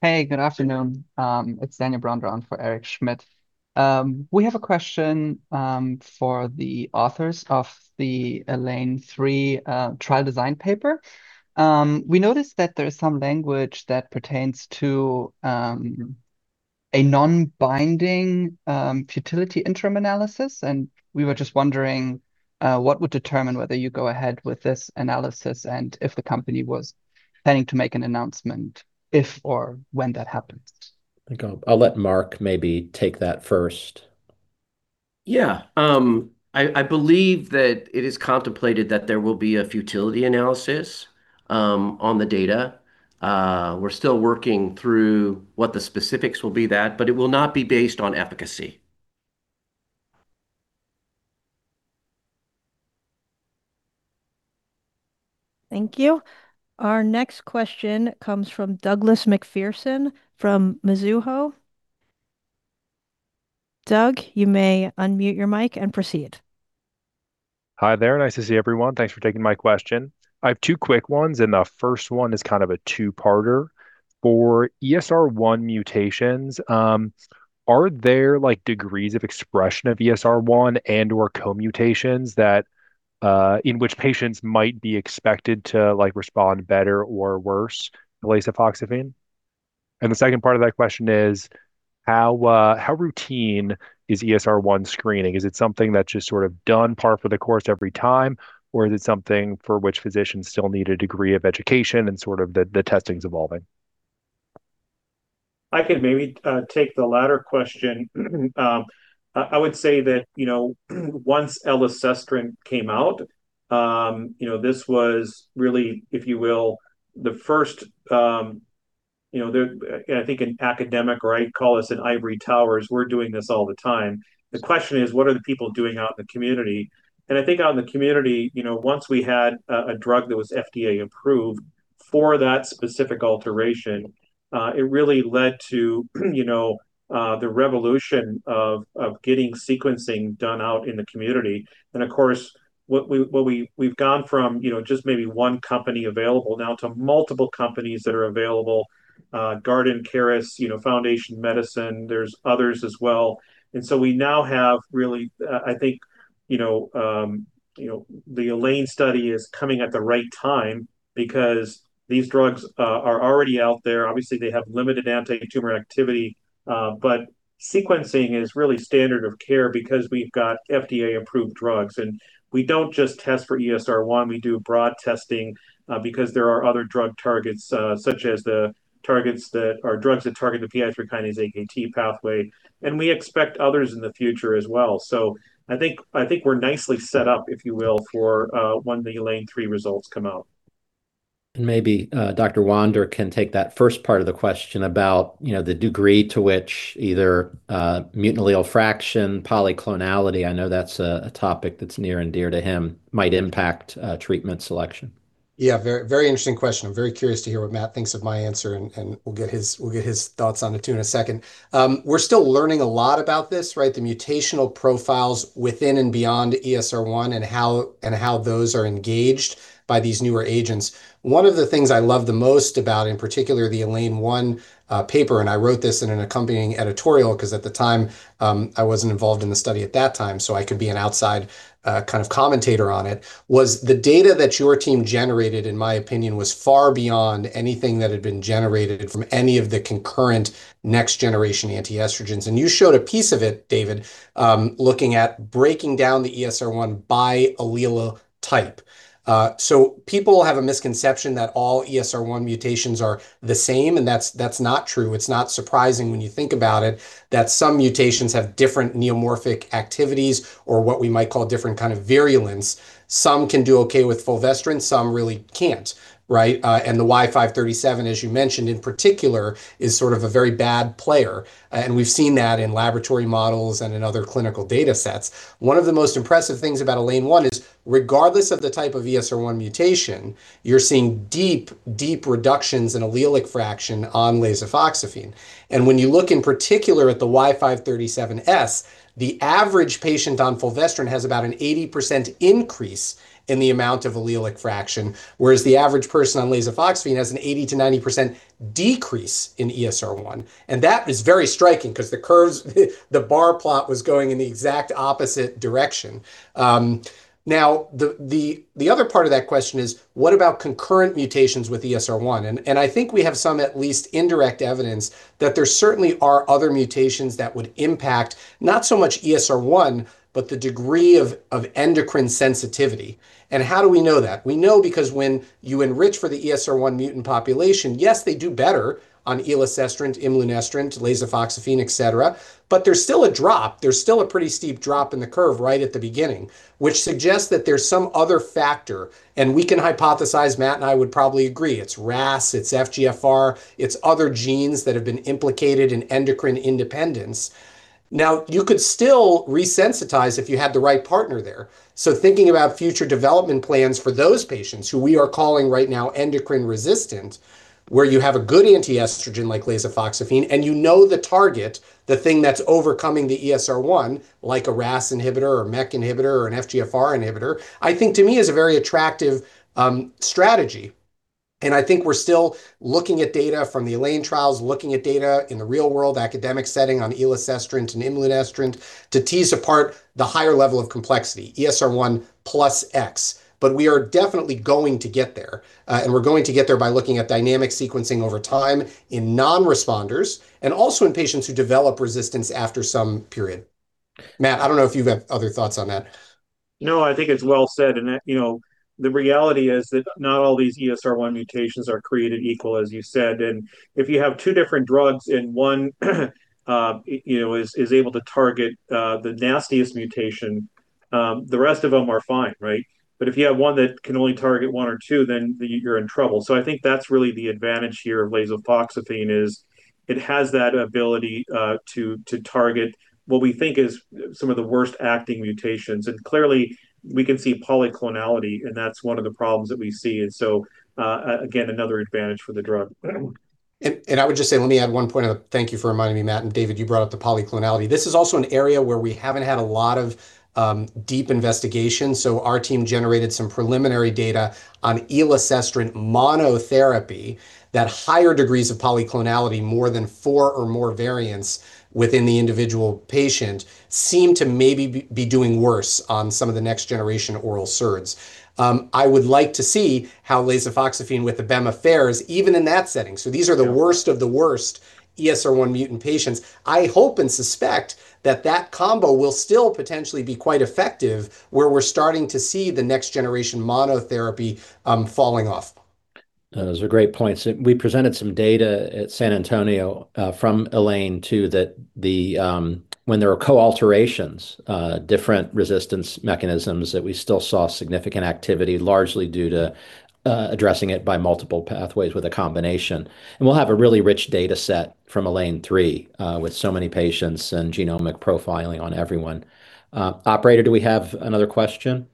Hey. Good afternoon. It's Daniel Bronder on for Eric Schmidt. We have a question for the authors of the ELAINE 3 trial design paper. We noticed that there is some language that pertains to a non-binding futility interim analysis, and we were just wondering what would determine whether you go ahead with this analysis and if the company was planning to make an announcement if or when that happens. I think I'll let Mark maybe take that first. I believe that it is contemplated that there will be a futility analysis on the data. We're still working through what the specifics will be that, but it will not be based on efficacy. Thank you. Our next question comes from Douglas MacPherson from Mizuho. Douglas, you may unmute your mic and proceed. Hi there. Nice to see everyone. Thanks for taking my question. I have two quick ones, the first one is kind of a two-parter. For ESR1 mutations, are there, like, degrees of expression of ESR1 and/or co-mutations that in which patients might be expected to, like, respond better or worse to lasofoxifene? The second part of that question is, how routine is ESR1 screening? Is it something that's just sort of done par for the course every time or is it something for which physicians still need a degree of education and sort of the testing's evolving? I could maybe take the latter question. I would say that, you know, once elacestrant came out, you know, this was really, if you will, the first, you know. The, I think in academic, right, call us in ivory towers, we're doing this all the time. The question is, what are the people doing out in the community? I think out in the community, you know, once we had a drug that was FDA-approved for that specific alteration, it really led to, you know, the revolution of getting sequencing done out in the community. Of course, what we've gone from, you know, just maybe one company available now to multiple companies that are available, Guardant, Caris, you know, Foundation Medicine. There's others as well. We now have really, I think, you know, you know. The ELAINE study is coming at the right time because these drugs are already out there. Obviously they have limited antitumor activity, but sequencing is really standard of care because we've got FDA-approved drugs. We don't just test for ESR1. We do broad testing because there are other drug targets, such as drugs that target the PI3K/AKT pathway, and we expect others in the future as well. I think, I think we're nicely set up, if you will, for when the ELAINE 3 results come out. Maybe Dr. Wander can take that first part of the question about, you know, the degree to which either mutant allele fraction, polyclonality, I know that's a topic that's near and dear to him, might impact treatment selection. Yeah, very interesting question. I'm very curious to hear what Matthew thinks of my answer and we'll get his thoughts on it too in a second. We're still learning a lot about this, right? The mutational profiles within and beyond ESR1 and how those are engaged by these newer agents. One of the things I love the most about, in particular, the ELAINE 1 paper, and I wrote this in an accompanying editorial 'cause at the time, I wasn't involved in the study at that time so I could be an outside kind of commentator on it, was the data that your team generated, in my opinion, was far beyond anything that had been generated from any of the concurrent next generation anti-estrogens. You showed a piece of it, David, looking at breaking down the ESR1 by allelotype. People have a misconception that all ESR1 mutations are the same, and that's not true. It's not surprising when you think about it that some mutations have different neomorphic activities or what we might call different kind of virulence. Some can do okay with fulvestrant, some really can't, right? The Y537, as you mentioned, in particular, is sort of a very bad player, and we've seen that in laboratory models and in other clinical data sets. One of the most impressive things about ELAINE 1 is regardless of the type of ESR1 mutation, you're seeing deep reductions in allelic fraction on lasofoxifene. When you look in particular at the Y537S, the average patient on fulvestrant has about an 80% increase in the amount of allelic fraction, whereas the average person on lasofoxifene has an 80%-90% decrease in ESR1. That is very striking because the bar plot was going in the exact opposite direction. Now the other part of that question is what about concurrent mutations with ESR1? I think we have some at least indirect evidence that there certainly are other mutations that would impact not so much ESR1, but the degree of endocrine sensitivity. How do we know that? We know because when you enrich for the ESR1 mutant population, yes, they do better on elacestrant, imlunestrant, lasofoxifene, et cetera, but there's still a drop. There's still a pretty steep drop in the curve right at the beginning, which suggests that there's some other factor, and we can hypothesize, Matthew and I would probably agree, it's RAS, it's FGFR, it's other genes that have been implicated in endocrine independence. You could still resensitize if you had the right partner there. Thinking about future development plans for those patients who we are calling right now endocrine resistant, where you have a good anti-estrogen like lasofoxifene and you know the target, the thing that's overcoming the ESR1, like a RAS inhibitor or a MEK inhibitor or an FGFR inhibitor, I think to me is a very attractive strategy. I think we're still looking at data from the ELAINE trials, looking at data in the real world academic setting on elacestrant and imlunestrant to tease apart the higher level of complexity, ESR1 plus X. We are definitely going to get there, and we're going to get there by looking at dynamic sequencing over time in non-responders and also in patients who develop resistance after some period. Matthew, I don't know if you have other thoughts on that. No, I think it's well said. You know, the reality is that not all these ESR1 mutations are created equal, as you said. If you have two different drugs and one, you know, is able to target the nastiest mutation, the rest of them are fine, right? If you have one that can only target one or two, then you're in trouble. I think that's really the advantage here of lasofoxifene is it has that ability to target what we think is some of the worst acting mutations. Clearly we can see polyclonal, and that's one of the problems that we see. Again, another advantage for the drug. I would just say, let me add one point. Thank you for reminding me, Matthew. David, you brought up the polyclonal. This is also an area where we haven't had a lot of deep investigation, so our team generated some preliminary data on elacestrant monotherapy that higher degrees of polyclonal, more than 4 or more variants within the individual patient, seem to maybe be doing worse on some of the next generation oral SERDs. I would like to see how lasofoxifene with abema fares even in that setting. Yeah Worst of the worst ESR1 mutant patients. I hope and suspect that that combo will still potentially be quite effective where we're starting to see the next generation monotherapy falling off. Those are great points. We presented some data at San Antonio from ELAINE 2 that when there were co-alterations, different resistance mechanisms that we still saw significant activity largely due to addressing it by multiple pathways with a combination. We'll have a really rich data set from ELAINE 3 with so many patients and genomic profiling on everyone. Operator, do we have another question?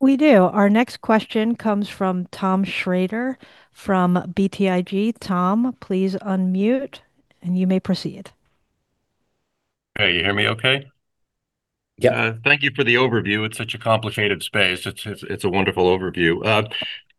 We do. Our next question comes from Tom Shrader from BTIG. Tom, please unmute and you may proceed. Hey, you hear me okay? Yeah. Thank you for the overview. It's such a complicated space. It's, it's a wonderful overview.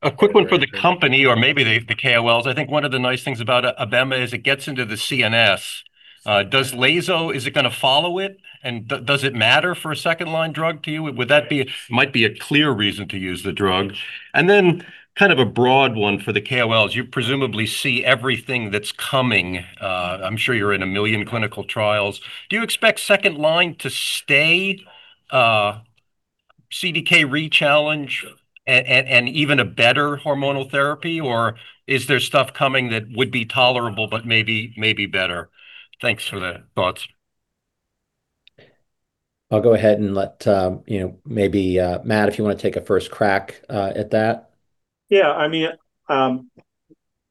A quick one for the company or maybe the KOLs. I think one of the nice things about abema is it gets into the CNS. Does lasofoxifene is it gonna follow it, and does it matter for a second-line drug to you? Would that be? It might be a clear reason to use the drug. Kind of a broad one for the KOLs. You presumably see everything that's coming. I'm sure you're in 1 million clinical trials. Do you expect second line to stay, CDK re-challenge and even a better hormonal therapy, or is there stuff coming that would be tolerable but maybe better? Thanks for the thoughts. I'll go ahead and let, you know, maybe, Matthew, if you wanna take a first crack at that. Yeah, I mean,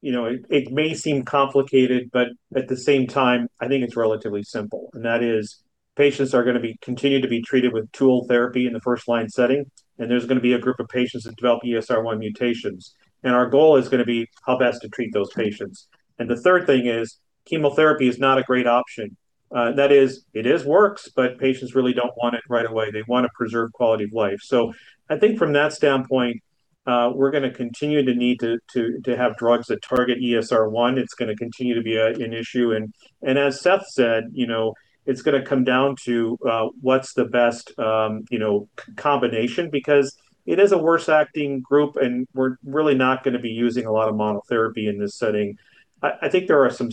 you know, it may seem complicated. At the same time, I think it's relatively simple. That is patients are gonna continue to be treated with oral therapy in the first-line setting. There's gonna be a group of patients that develop ESR1 mutations. Our goal is gonna be how best to treat those patients. The third thing is chemotherapy is not a great option. That is, it works. Patients really don't want it right away. They wanna preserve quality of life. I think from that standpoint, we're gonna continue to need to have drugs that target ESR1. It's gonna continue to be an issue. As Seth said, you know, it's gonna come down to what's the best, you know, combination because it is a worst acting group, and we're really not gonna be using a lot of monotherapy in this setting. I think there are some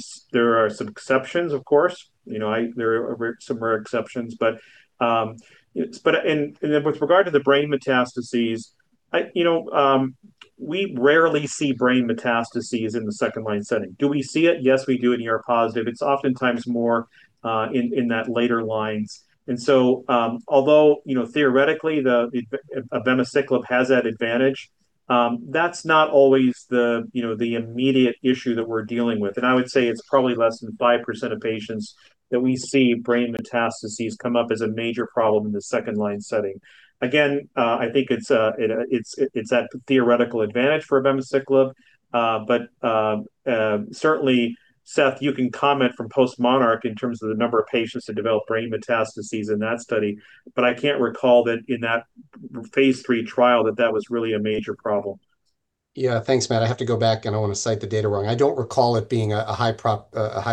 exceptions, of course. You know, there are some rare exceptions. With regard to the brain metastases, you know, we rarely see brain metastases in the second-line setting. Do we see it? Yes, we do in ER-positive. It's oftentimes more in that later lines. Although, you know, theoretically the abemaciclib has that advantage, that's not always the immediate issue that we're dealing with. I would say it's probably less than 5% of patients that we see brain metastases come up as a major problem in the 2L setting. Again, I think it's that theoretical advantage for abemaciclib. Certainly, Seth, you can comment from post-MONARCH in terms of the number of patients that develop brain metastases in that study, but I can't recall that in that phase III trial that that was really a major problem. Yeah. Thanks, Matthew. I have to go back, I don't want to cite the data wrong. I don't recall it being a high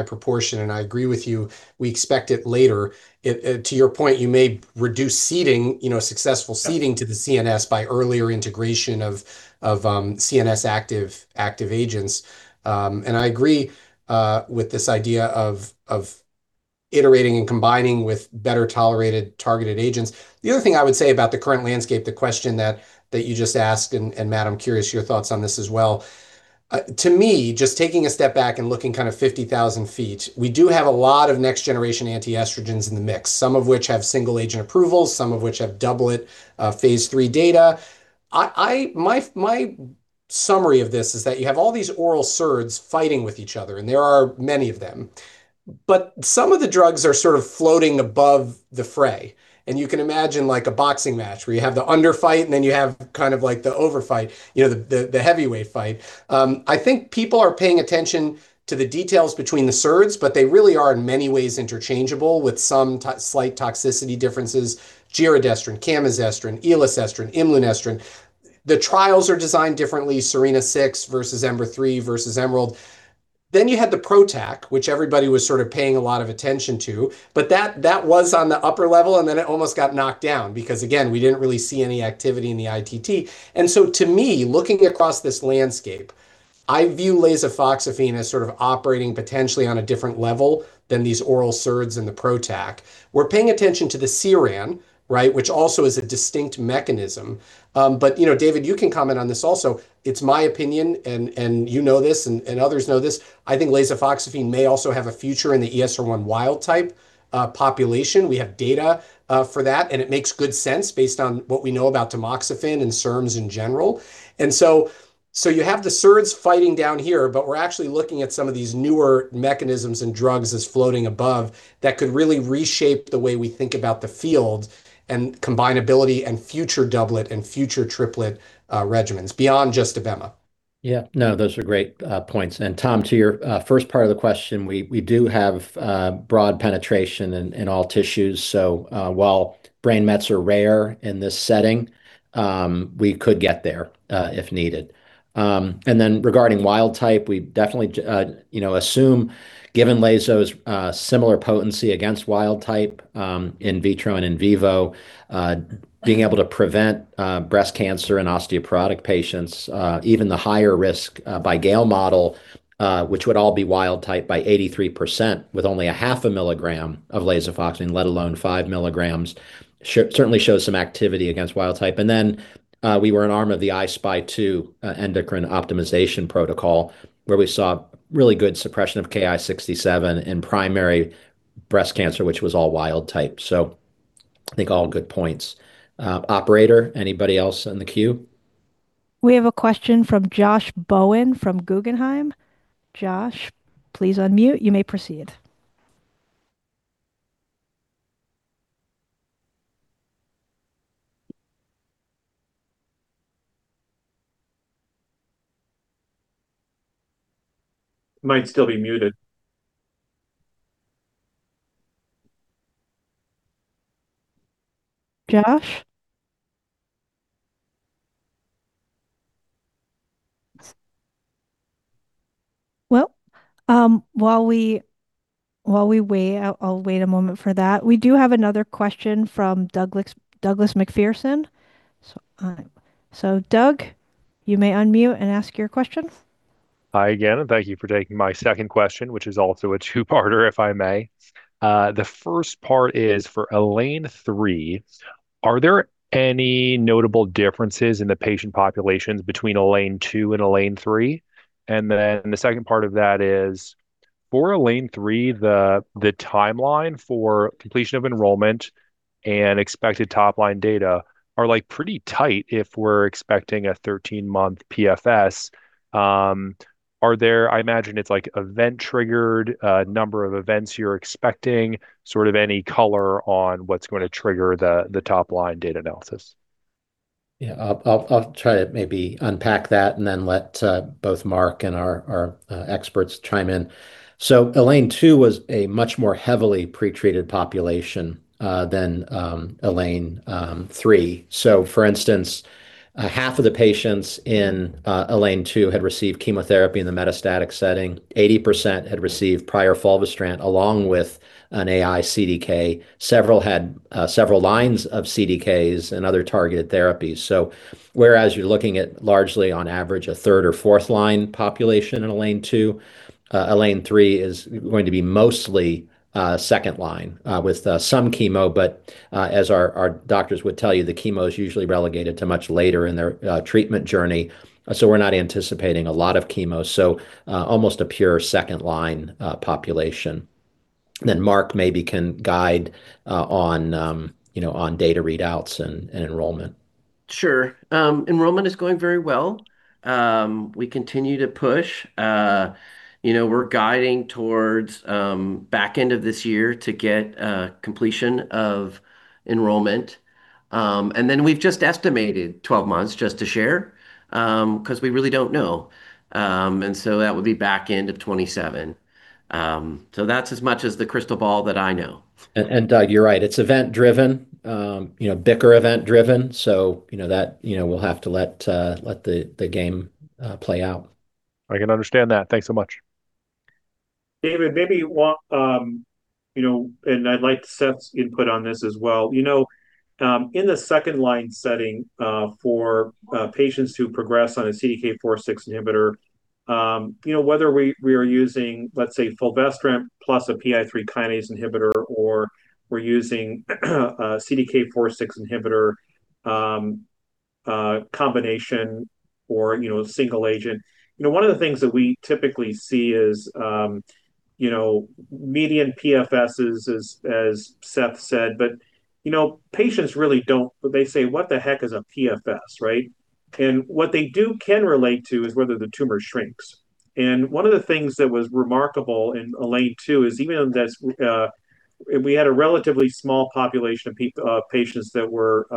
proportion, and I agree with you. We expect it later. To your point, you may reduce seeding, you know, successful seeding to the CNS by earlier integration of CNS active agents. I agree with this idea of iterating and combining with better tolerated targeted agents. The other thing I would say about the current landscape, the question that you just asked, Matthew, I'm curious your thoughts on this as well. To me, just taking a step back and looking kind of 50,000 feet, we do have a lot of next generation antiestrogens in the mix, some of which have single agent approvals, some of which have doublet, phase III data. My summary of this is that you have all these oral SERDs fighting with each other. There are many of them. Some of the drugs are sort of floating above the fray. You can imagine like a boxing match where you have the under fight, and then you have kind of like the over fight. You know, the, the heavyweight fight. I think people are paying attention to the details between the SERDs, but they really are in many ways interchangeable with some to-slight toxicity differences. giredestrant, camizestrant, elacestrant, imlunestrant. The trials are designed differently, SERENA-6 versus EMBER-3 versus EMERALD. You had the PROTAC, which everybody was sort of paying a lot of attention to, but that was on the upper level, and it almost got knocked down because, again, we didn't really see any activity in the ITT. To me, looking across this landscape, I view lasofoxifene as sort of operating potentially on a different level than these oral SERDs in the PROTAC. We're paying attention to the CERAN, right? Which also is a distinct mechanism. You know, David, you can comment on this also. It's my opinion, and you know this and others know this. I think lasofoxifene may also have a future in the ESR1 wild type population. We have data for that, and it makes good sense based on what we know about tamoxifen and SERMs in general. So you have the SERDs fighting down here, but we're actually looking at some of these newer mechanisms and drugs as floating above that could really reshape the way we think about the field and combinability and future doublet and future triplet regimens beyond just Abema. Yeah. No, those are great points. Tom, to your first part of the question, we do have broad penetration in all tissues. While brain mets are rare in this setting, we could get there if needed. Regarding wild type, we definitely you know assume given lasofoxifene's similar potency against wild type in vitro and in vivo, being able to prevent breast cancer in osteoporotic patients, even the higher risk by Gail model, which would all be wild type by 83% with only a half a milligram of lasofoxifene, let alone 5 milligrams, certainly shows some activity against wild type. We were an arm of the I-SPY 2 endocrine optimization protocol where we saw really good suppression of Ki-67 in primary breast cancer, which was all wild type. I think all good points. Operator, anybody else in the queue? We have a question from Josh Bowen from Guggenheim. Josh, please unmute. You may proceed. Might still be muted. Josh? Well, while we wait, I'll wait a moment for that. We do have another question from Douglas MacPherson. Douglas, you may unmute and ask your question. Hi again, thank you for taking my second question, which is also a two-parter, if I may. The first part is for ELAINE III. Are there any notable differences in the patient populations between ELAINE II and ELAINE III? The second part of that is. For ELAINE III, the timeline for completion of enrollment and expected top-line data are, like, pretty tight if we're expecting a 13-month PFS. I imagine it's, like, event-triggered, a number of events you're expecting. Sort of any color on what's gonna trigger the top-line data analysis? I'll try to maybe unpack that and then let both Mark and our experts chime in. ELAINE 2 was a much more heavily pre-treated population than ELAINE 3. For instance, half of the patients in ELAINE 2 had received chemotherapy in the metastatic setting. 80% had received prior fulvestrant along with an AI CDK. Several had several lines of CDKs and other targeted therapies. Whereas you're looking at largely on average a third or fourth line population in ELAINE 2, ELAINE 3 is going to be mostly second line with some chemo. As our doctors would tell you, the chemo's usually relegated to much later in their treatment journey. We're not anticipating a lot of chemo. Almost a pure second line population. Mark maybe can guide, on, you know, on data readouts and enrollment. Sure. Enrollment is going very well. We continue to push. You know, we're guiding towards back end of this year to get completion of enrollment. We've just estimated 12 months just to share, 'cause we really don't know. That would be back end of 2027. That's as much as the crystal ball that I know. You're right. It's event-driven. You know, Bicar event-driven, so, you know, that, you know, we'll have to let the game play out. I can understand that. Thanks so much. David, maybe one, you know, I'd like Seth's input on this as well. You know, in the 2L setting, for patients who progress on a CDK4/6 inhibitor, you know, whether we are using, let's say, fulvestrant plus a PI3K inhibitor, or we're using a CDK4/6 inhibitor, combination or, you know, single agent. You know, one of the things that we typically see is, you know, median PFSs as Seth said. You know, patients really say, "What the heck is a PFS," right? What they can relate to is whether the tumor shrinks. One of the things that was remarkable in ELAINE 2 is even that we had a relatively small population of patients that were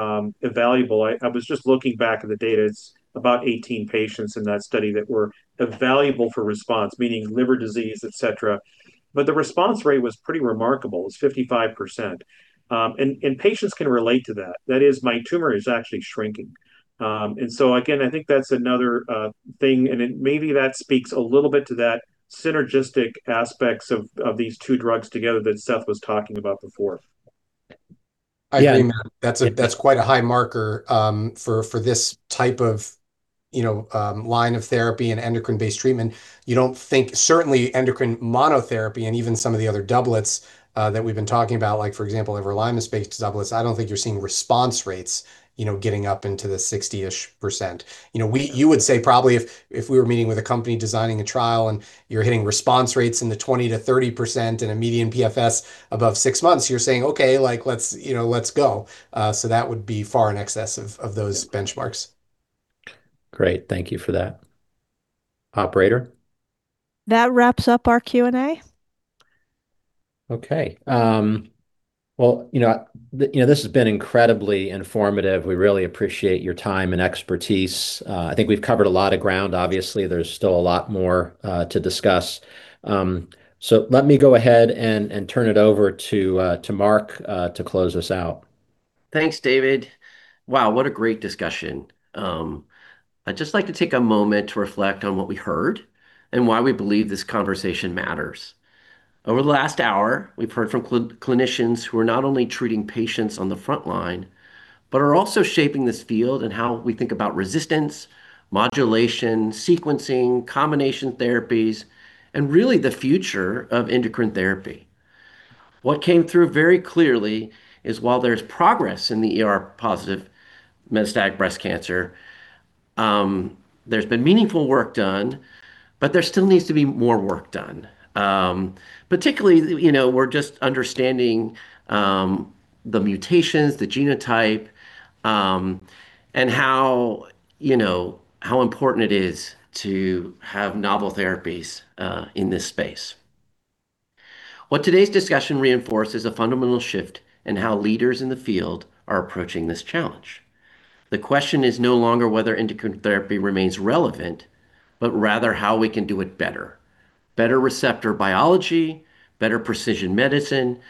evaluable. I was just looking back at the data. It's about 18 patients in that study that were evaluable for response, meaning liver disease, et cetera. The response rate was pretty remarkable. It was 55%. Patients can relate to that. That is, my tumor is actually shrinking. Again, I think that's another thing, maybe that speaks a little bit to that synergistic aspects of these two drugs together that Seth was talking about before. Yeah. I agree, man. That's a, that's quite a high marker, for this type of, you know, line of therapy and endocrine-based treatment. Certainly endocrine monotherapy and even some of the other doublets, that we've been talking about, like for example, Everolimus-based doublets, I don't think you're seeing response rates, you know, getting up into the 60-ish%. You know, you would say probably if we were meeting with a company designing a trial and you're hitting response rates in the 20-30% and a median PFS above 6 months, you're saying, "Okay, like, let's, you know, let's go." That would be far in excess of those benchmarks. Great. Thank you for that. Operator? That wraps up our Q&A. Okay. Well, you know, this has been incredibly informative. We really appreciate your time and expertise. I think we've covered a lot of ground. Obviously, there's still a lot more to discuss. Let me go ahead and turn it over to Mark to close us out. Thanks, David. Wow, what a great discussion. I'd just like to take a moment to reflect on what we heard and why we believe this conversation matters. Over the last hour, we've heard from clinicians who are not only treating patients on the front line, but are also shaping this field and how we think about resistance, modulation, sequencing, combination therapies, and really the future of endocrine therapy. What came through very clearly is while there's progress in the ER-positive metastatic breast cancer, there's been meaningful work done, but there still needs to be more work done. Particularly, you know, we're just understanding the mutations, the genotype, and how, you know, how important it is to have novel therapies in this space. What today's discussion reinforces a fundamental shift in how leaders in the field are approaching this challenge. The question is no longer whether endocrine therapy remains relevant, but rather how we can do it better. Better receptor biology, better precision medicine,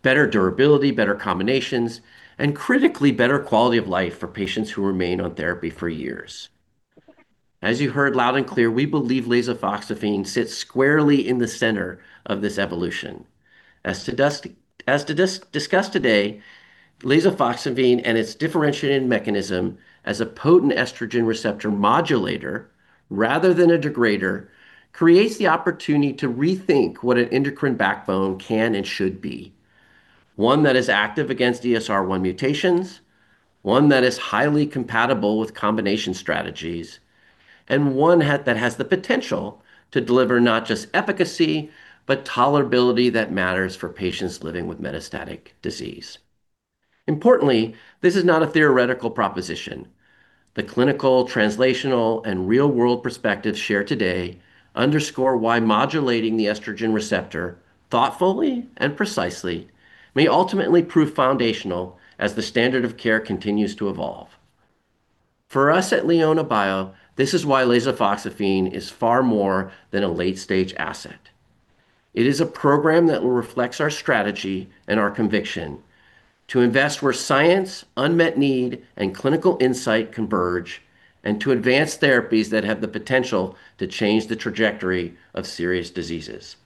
better durability, better combinations, and critically better quality of life for patients who remain on therapy for years. As you heard loud and clear, we believe lasofoxifene sits squarely in the center of this evolution. As discussed today, lasofoxifene and its differentiating mechanism as a potent estrogen receptor modulator rather than a degrader creates the opportunity to rethink what an endocrine backbone can and should be. One that is active against ESR1 mutations, one that is highly compatible with combination strategies, and one that has the potential to deliver not just efficacy, but tolerability that matters for patients living with metastatic disease. Importantly, this is not a theoretical proposition. The clinical, translational, and real-world perspectives shared today underscore why modulating the estrogen receptor thoughtfully and precisely may ultimately prove foundational as the standard of care continues to evolve. For us at LeonaBio, this is why lasofoxifene is far more than a late-stage asset. It is a program that reflects our strategy and our conviction to invest where science, unmet need, and clinical insight converge, and to advance therapies that have the potential to change the trajectory of serious diseases.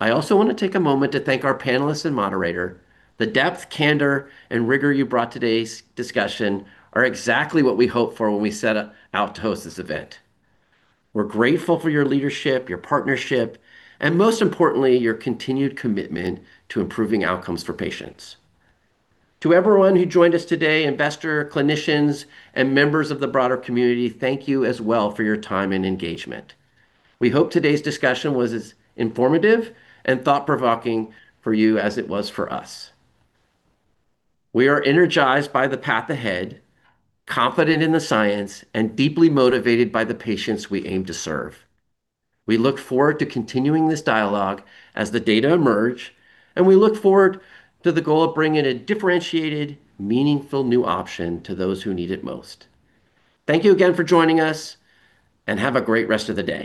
I also wanna take a moment to thank our panelists and moderator. The depth, candor, and rigor you brought today's discussion are exactly what we hoped for when we set out to host this event. We're grateful for your leadership, your partnership, and most importantly, your continued commitment to improving outcomes for patients. To everyone who joined us today, investor, clinicians, and members of the broader community, thank you as well for your time and engagement. We hope today's discussion was as informative and thought-provoking for you as it was for us. We are energized by the path ahead, confident in the science, and deeply motivated by the patients we aim to serve. We look forward to continuing this dialogue as the data emerge, and we look forward to the goal of bringing a differentiated, meaningful new option to those who need it most. Thank you again for joining us, and have a great rest of the day.